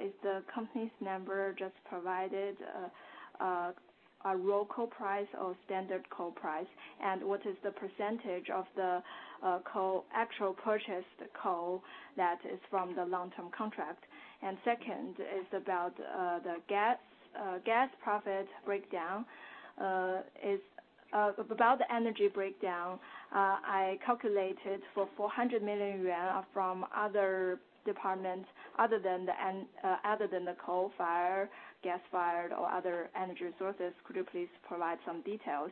Is the company's number just provided a raw coal price or standard coal price? What is the percentage of the actual purchased coal that is from the long-term contract? Second is about the gas profit breakdown, the energy breakdown. I calculated 400 million yuan from other departments other than the coal-fired, gas-fired or other energy sources. Could you please provide some details?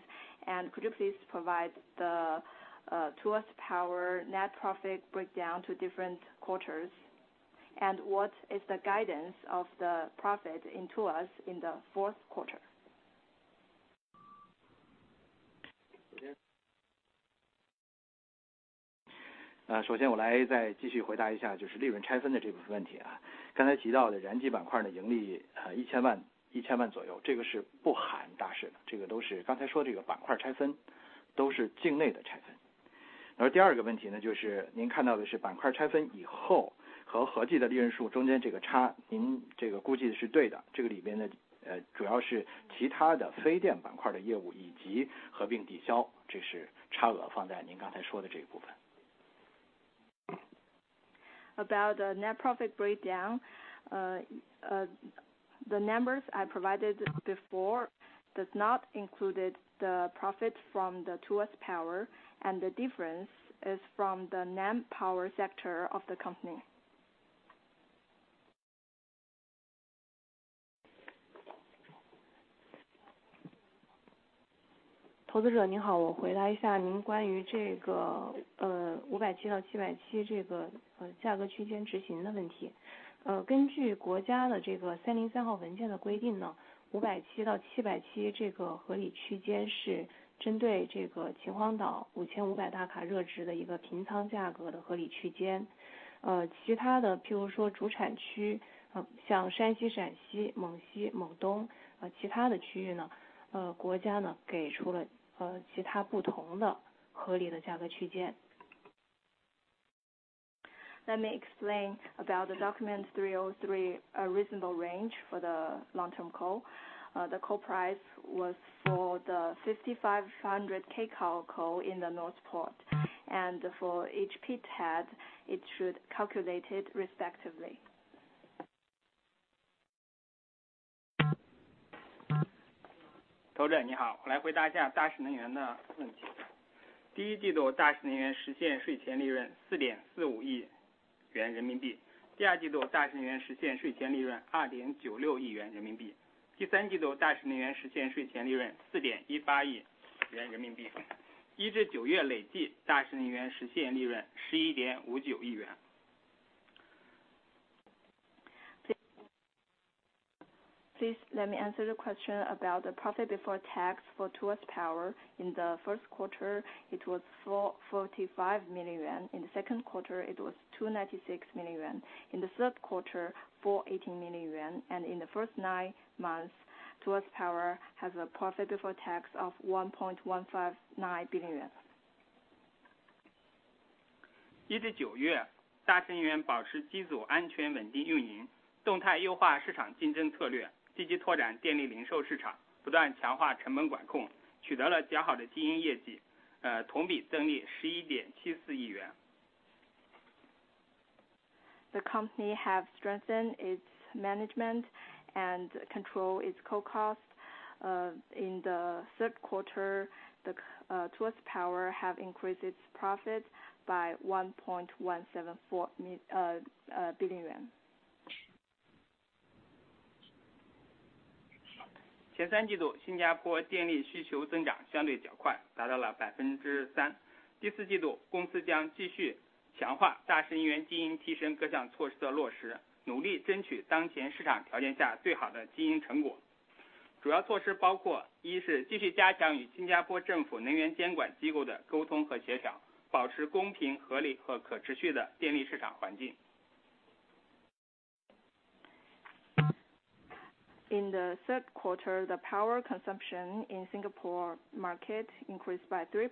Could you please provide the Tuas Power net profit breakdown to different quarters? What is the guidance of the profit in Tuas in the fourth quarter? About net profit breakdown. The numbers I provided before does not include the profit from the Tuas Power and the difference is from the non-power sector of the company. Let me explain about Document No. 303, a reasonable range for the long-term coal. The coal price was for the 5,500 kcal coal in the northern port and for each pithead. It should calculate it respectively. Please let me answer the question about the profit before tax for Tuas Power. In the first quarter it was 445 million yuan. In the second quarter it was 296 million yuan. In the third quarter, 418 million yuan. In the first nine months, Tuas Power has a profit before tax of 1.159 billion yuan. 一至九月，大士能源保持机组安全稳定运营，动态优化市场竞争策略，积极拓展电力零售市场，不断强化成本管控，取得了较好的经营业绩，同比增利11.74亿元。The company have strengthened its management and control its coal cost. In the third quarter, the Tuas Power have increased its profit by SGD 1.174 billion. In the third quarter, the power consumption in Singapore market increased by 3%.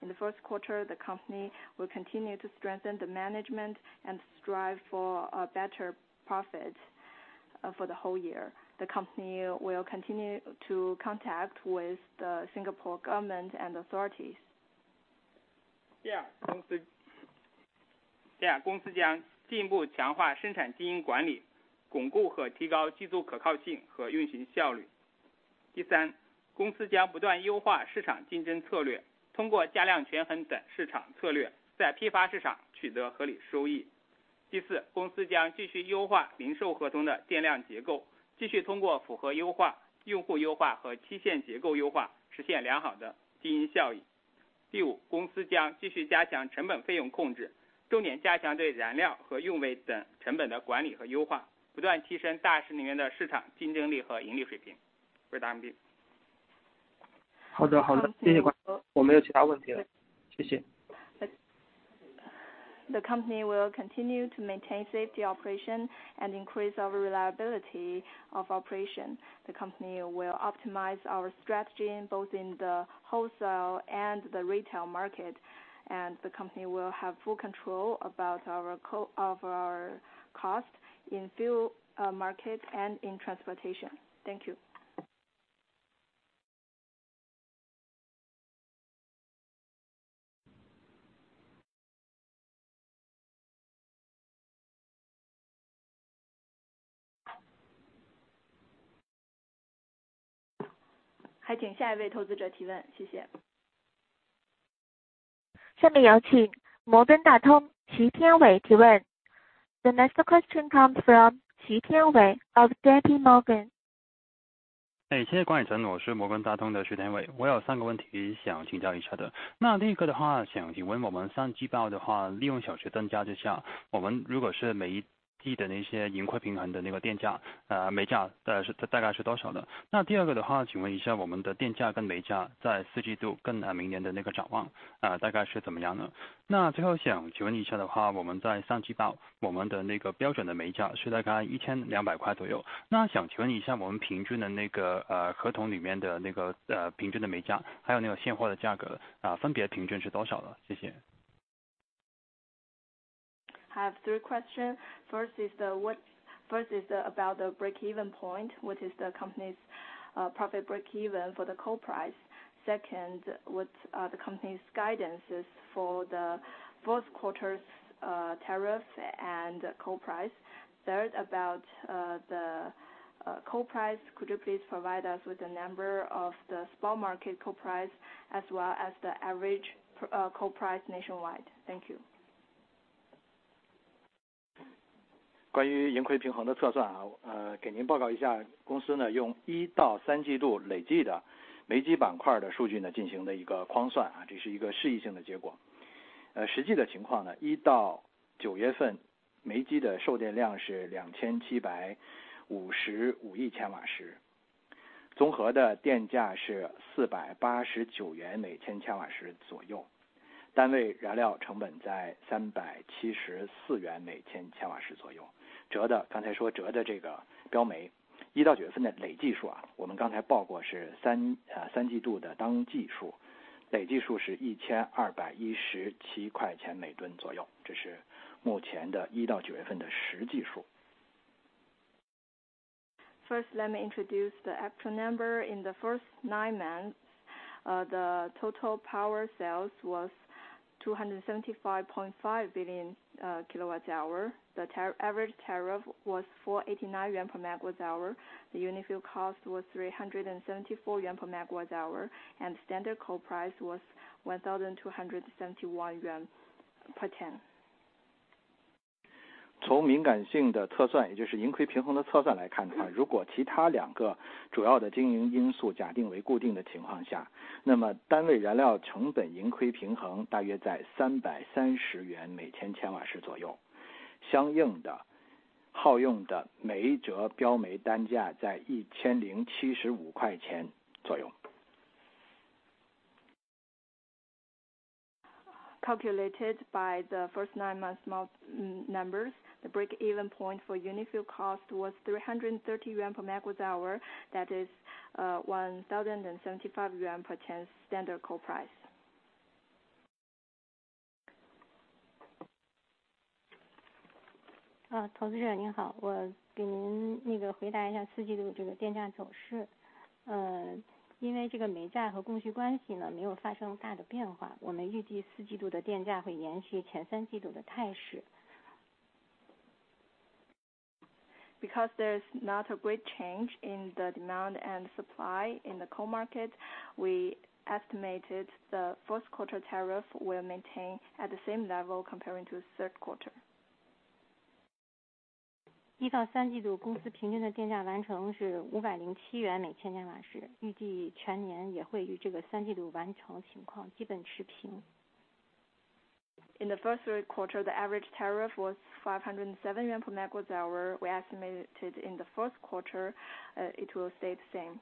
In the first quarter, the company will continue to strengthen the management and strive for a better profit for the whole year. The company will continue to contact with the Singapore government and authorities. The company will continue to maintain safe operation and increase our reliability of operation. The company will optimize our strategy both in the wholesale and the retail market, and the company will have full control of our cost in fuel market and in transportation. Thank you. 还请下一位投资者提问，谢谢。下面有请摩根大通齐天伟提问。The next question comes from 齐天伟 of JPMorgan. I have three questions. First is about the breakeven point what is the company's profit breakeven for the coal price. Second, what are the company's guidance for the fourth quarter, tariff and coal price. Third, about the coal price, could you please provide us with the number of the spot market coal price as well as the average, coal price nationwide. Thank you. First let me introduce the actual number in the first nine months, the total power sales was 275.5 billion kWh. The tariff, average tariff was 489 yuan per MWh. The unit fuel cost was 374 yuan per MWh and standard coal price was 1,271 yuan per ton. 从敏感性的测算，也就是盈亏平衡的测算来看的话，如果其他两个主要的经营因素假定为固定的情况下，那么单位燃料成本盈亏平衡大约在¥330元每千千瓦时左右。相应的耗用的每一折标煤单价在¥1,075块钱左右。Calculated by the first nine months numbers. The breakeven point for unit fuel cost was 330 yuan per MWh. That is, 1,075 yuan per ton standard coal price. 投资者您好，我给您回答一下四季度这个电价走势。因为这个煤价和供需关系呢，没有发生大的变化，我们预计四季度的电价会延续前三季度的态势。Because there's not a great change in the demand and supply in the coal market. We estimated the fourth quarter tariff will maintain at the same level comparing to third quarter. 一到三季度，公司平均的电价完成是507元每千千瓦时，预计全年也会与这个三季度完成情况基本持平。In the first three quarters, the average tariff was 507 yuan per MWh. We estimated in the fourth quarter, it will stay the same.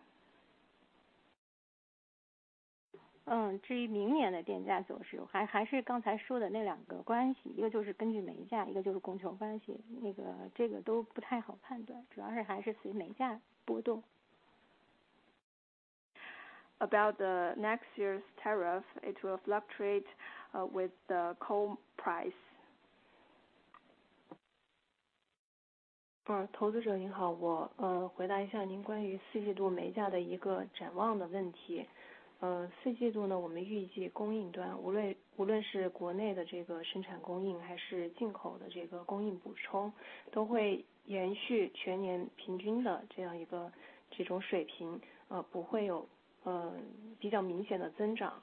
About the next year's tariff, it will fluctuate with the coal price. 投资者您好，回答一下您关于四季度煤价的展望问题。四季度呢，我们预计供应端无论是国内的生产供应，还是进口的供应补充，都会延续全年平均的这样一种水平，不会有比较明显的增长。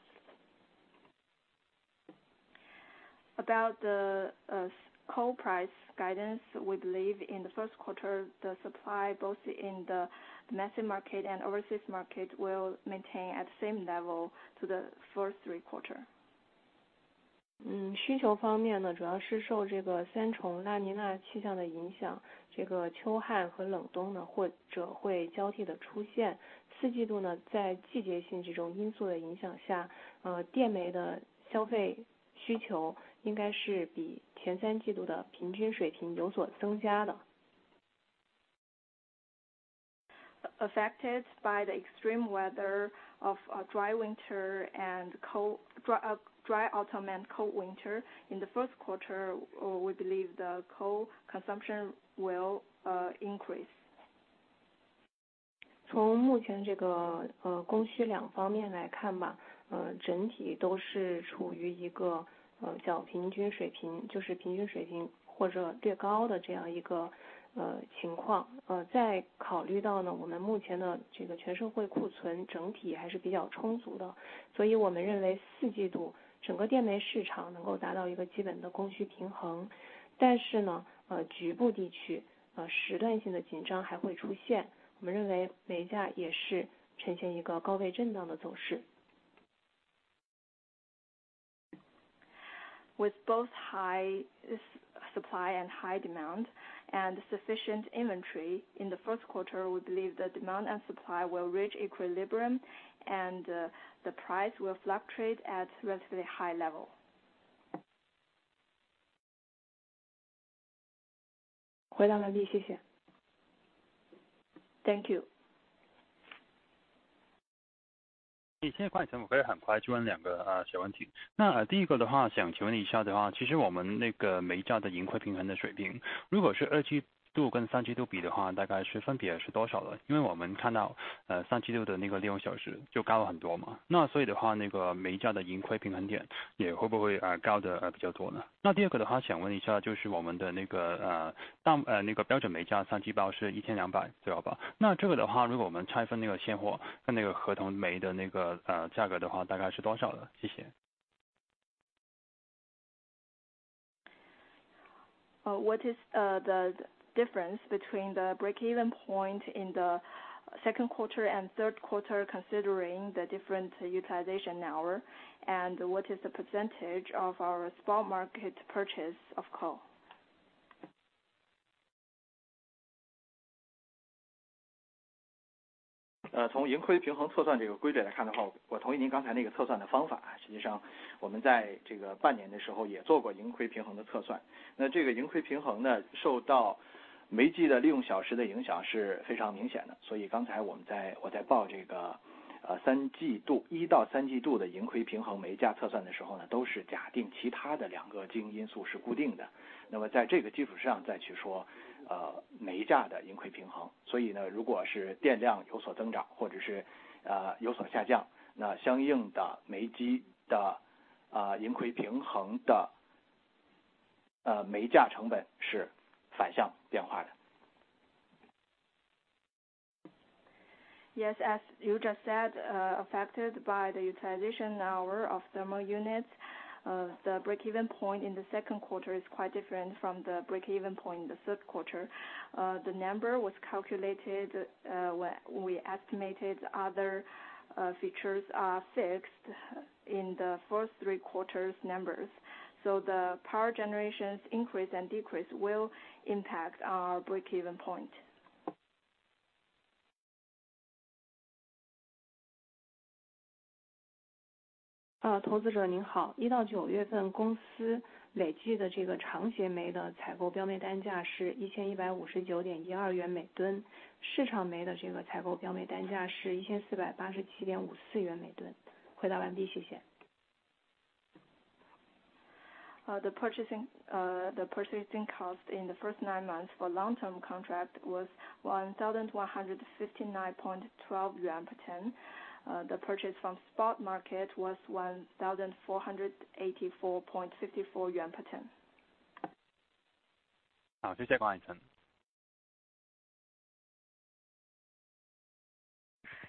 About the coal price guidance. We believe in the first quarter, the supply both in the domestic market and overseas market will maintain at the same level as the first three quarters. 需求方面，主要是受这个三重拉尼娜气象的影响，这个秋旱和冷冬或者会交替地出现。四季度，在季节性这种因素的影响下，电煤的消费需求应该是比前三季度的平均水平有所增加的。Affected by the extreme weather of a dry autumn and cold winter in the first quarter, we believe the coal consumption will increase. 从目前这个供需两方面来看，整体都是处于一个较平均水平，就是平均水平或者略高的这样一个情况。再考虑到我们目前的这个全社会库存整体还是比较充足的，所以我们认为四季度整个电煤市场能够达到一个基本的供需平衡。但是局部地区、时段性的紧张还会出现。我们认为煤价也是呈现一个高位震荡的走势。With both high supply and high demand and sufficient inventory in the first quarter, we believe the demand and supply will reach equilibrium and the price will fluctuate at relatively high level. 回答完毕，谢谢。Thank you. 先问一下，我可以很快就问两个小问题。那第一个的话，想请问一下，其实我们那个煤价的盈亏平衡的水平，如果是二季度跟三季度比的话，大概是分别是多少呢？因为我们看到三季度的那个利用小时就高了很多嘛。那所以的话，那个煤价的盈亏平衡点也会不会高得比较多呢？那第二个的话，想问一下，就是我们的那个入炉标煤价三季报是一千两百，对吧？那这个的话，如果我们拆分那个现货跟那个合同煤的那个价格的话，大概是多少呢？谢谢。What is the difference between the breakeven point in the second quarter and third quarter considering the different utilization hour? What is the percentage of our spot market purchase of coal? Yes, as you just said, affected by the utilization hour of thermal units, the breakeven point in the second quarter is quite different from the breakeven point in the third quarter. The number was calculated, when we estimated other, features are fixed in the first three quarters numbers. The power generations increase and decrease will impact our breakeven point. 投资者您好，一到九月份公司累计的这个长协煤的采购标煤单价是¥1,159.12元每吨，市场煤的这个采购标煤单价是¥1,487.54元每吨。回答完毕，谢谢。The purchasing cost in the first nine months for long term contract was 1,159.12 yuan per ton. The purchase from spot market was 1,484.54 yuan per ton. 好，谢谢管海辰。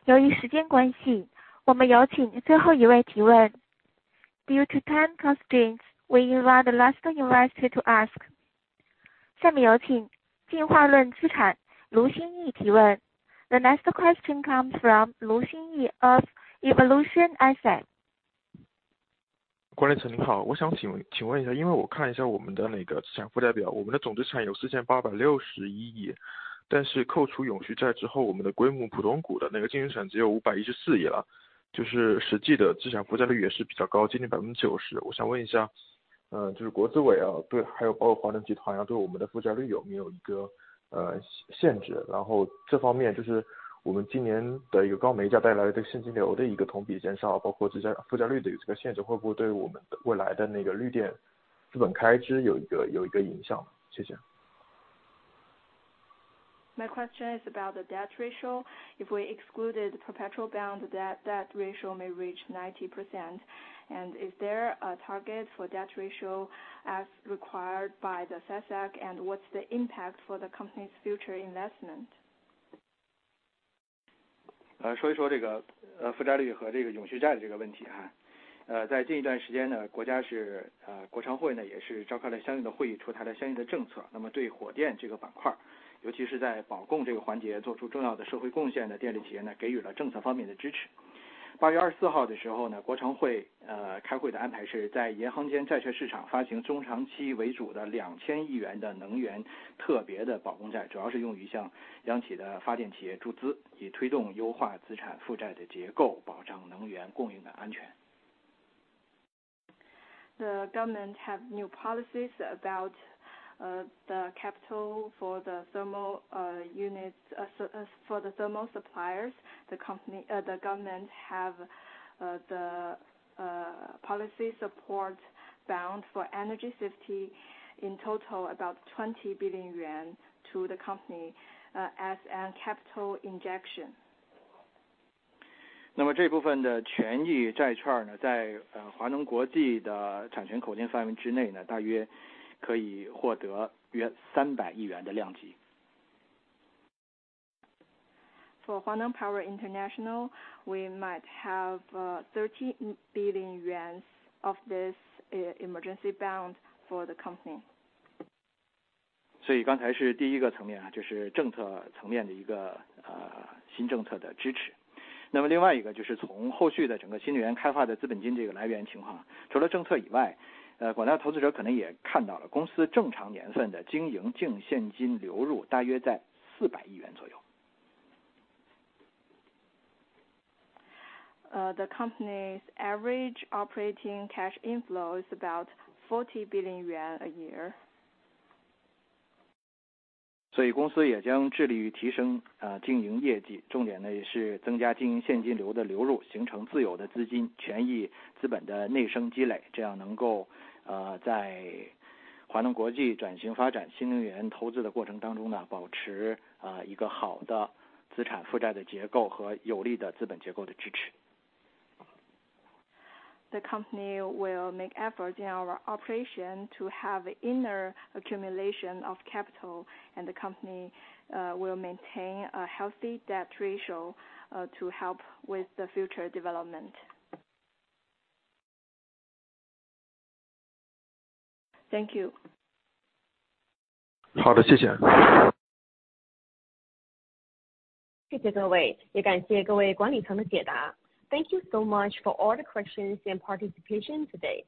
由于时间关系，我们有请最后一位提问。Due to time constraints, we invite the last investor to ask. 下面有请进化论资产卢新义提问。The next question comes from Lu Xinyi of Evolution Asset. My question is about the debt ratio. If we excluded perpetual bond, the debt ratio may reach 90%. Is there a target for debt ratio as required by the SASAC? What's the impact for the company's future investment? 在近一段时间，国家国常会也是召开了相应的会议，出台了相应的政策，那么对火电这个板块，尤其是在保供这个环节做出重要的社会贡献的电力企业，给予了政策方面的支持。八月二十四号的时候，国常会开会的安排是在银行间债券市场发行中长期为主的两千亿元的能源特别的保供债，主要是用于向央企的发电企业注资，以推动优化资产负债的结构，保障能源供应的安全。The government have new policies about the capital for the thermal units as for the thermal suppliers. The company, the government have the policy support bond for energy safety. In total about 20 billion yuan to the company as a capital injection. 那么这部分的权益债券呢，在华能国际的产权口径范围之内呢，大约可以获得约300亿元的量级。For Huaneng Power International, we might have 30 billion yuan of this perpetual bond for the company. 所以刚才是第一个层面，就是政策层面的一个新政策的支持。那么另外一个就是从后续的整个新能源开发的资本金这个来源情况，除了政策以外，国内投资者可能也看到了公司正常年份的经营净现金流入大约在400亿元左右。The company's average operating cash inflows about 40 billion yuan a year. The company will make efforts in our operation to have inner accumulation of capital, and the company will maintain a healthy debt ratio to help with the future development. Thank you. 好的，谢谢。谢谢各位，也感谢各位管理层的解答。Thank you so much for all the questions and participation today.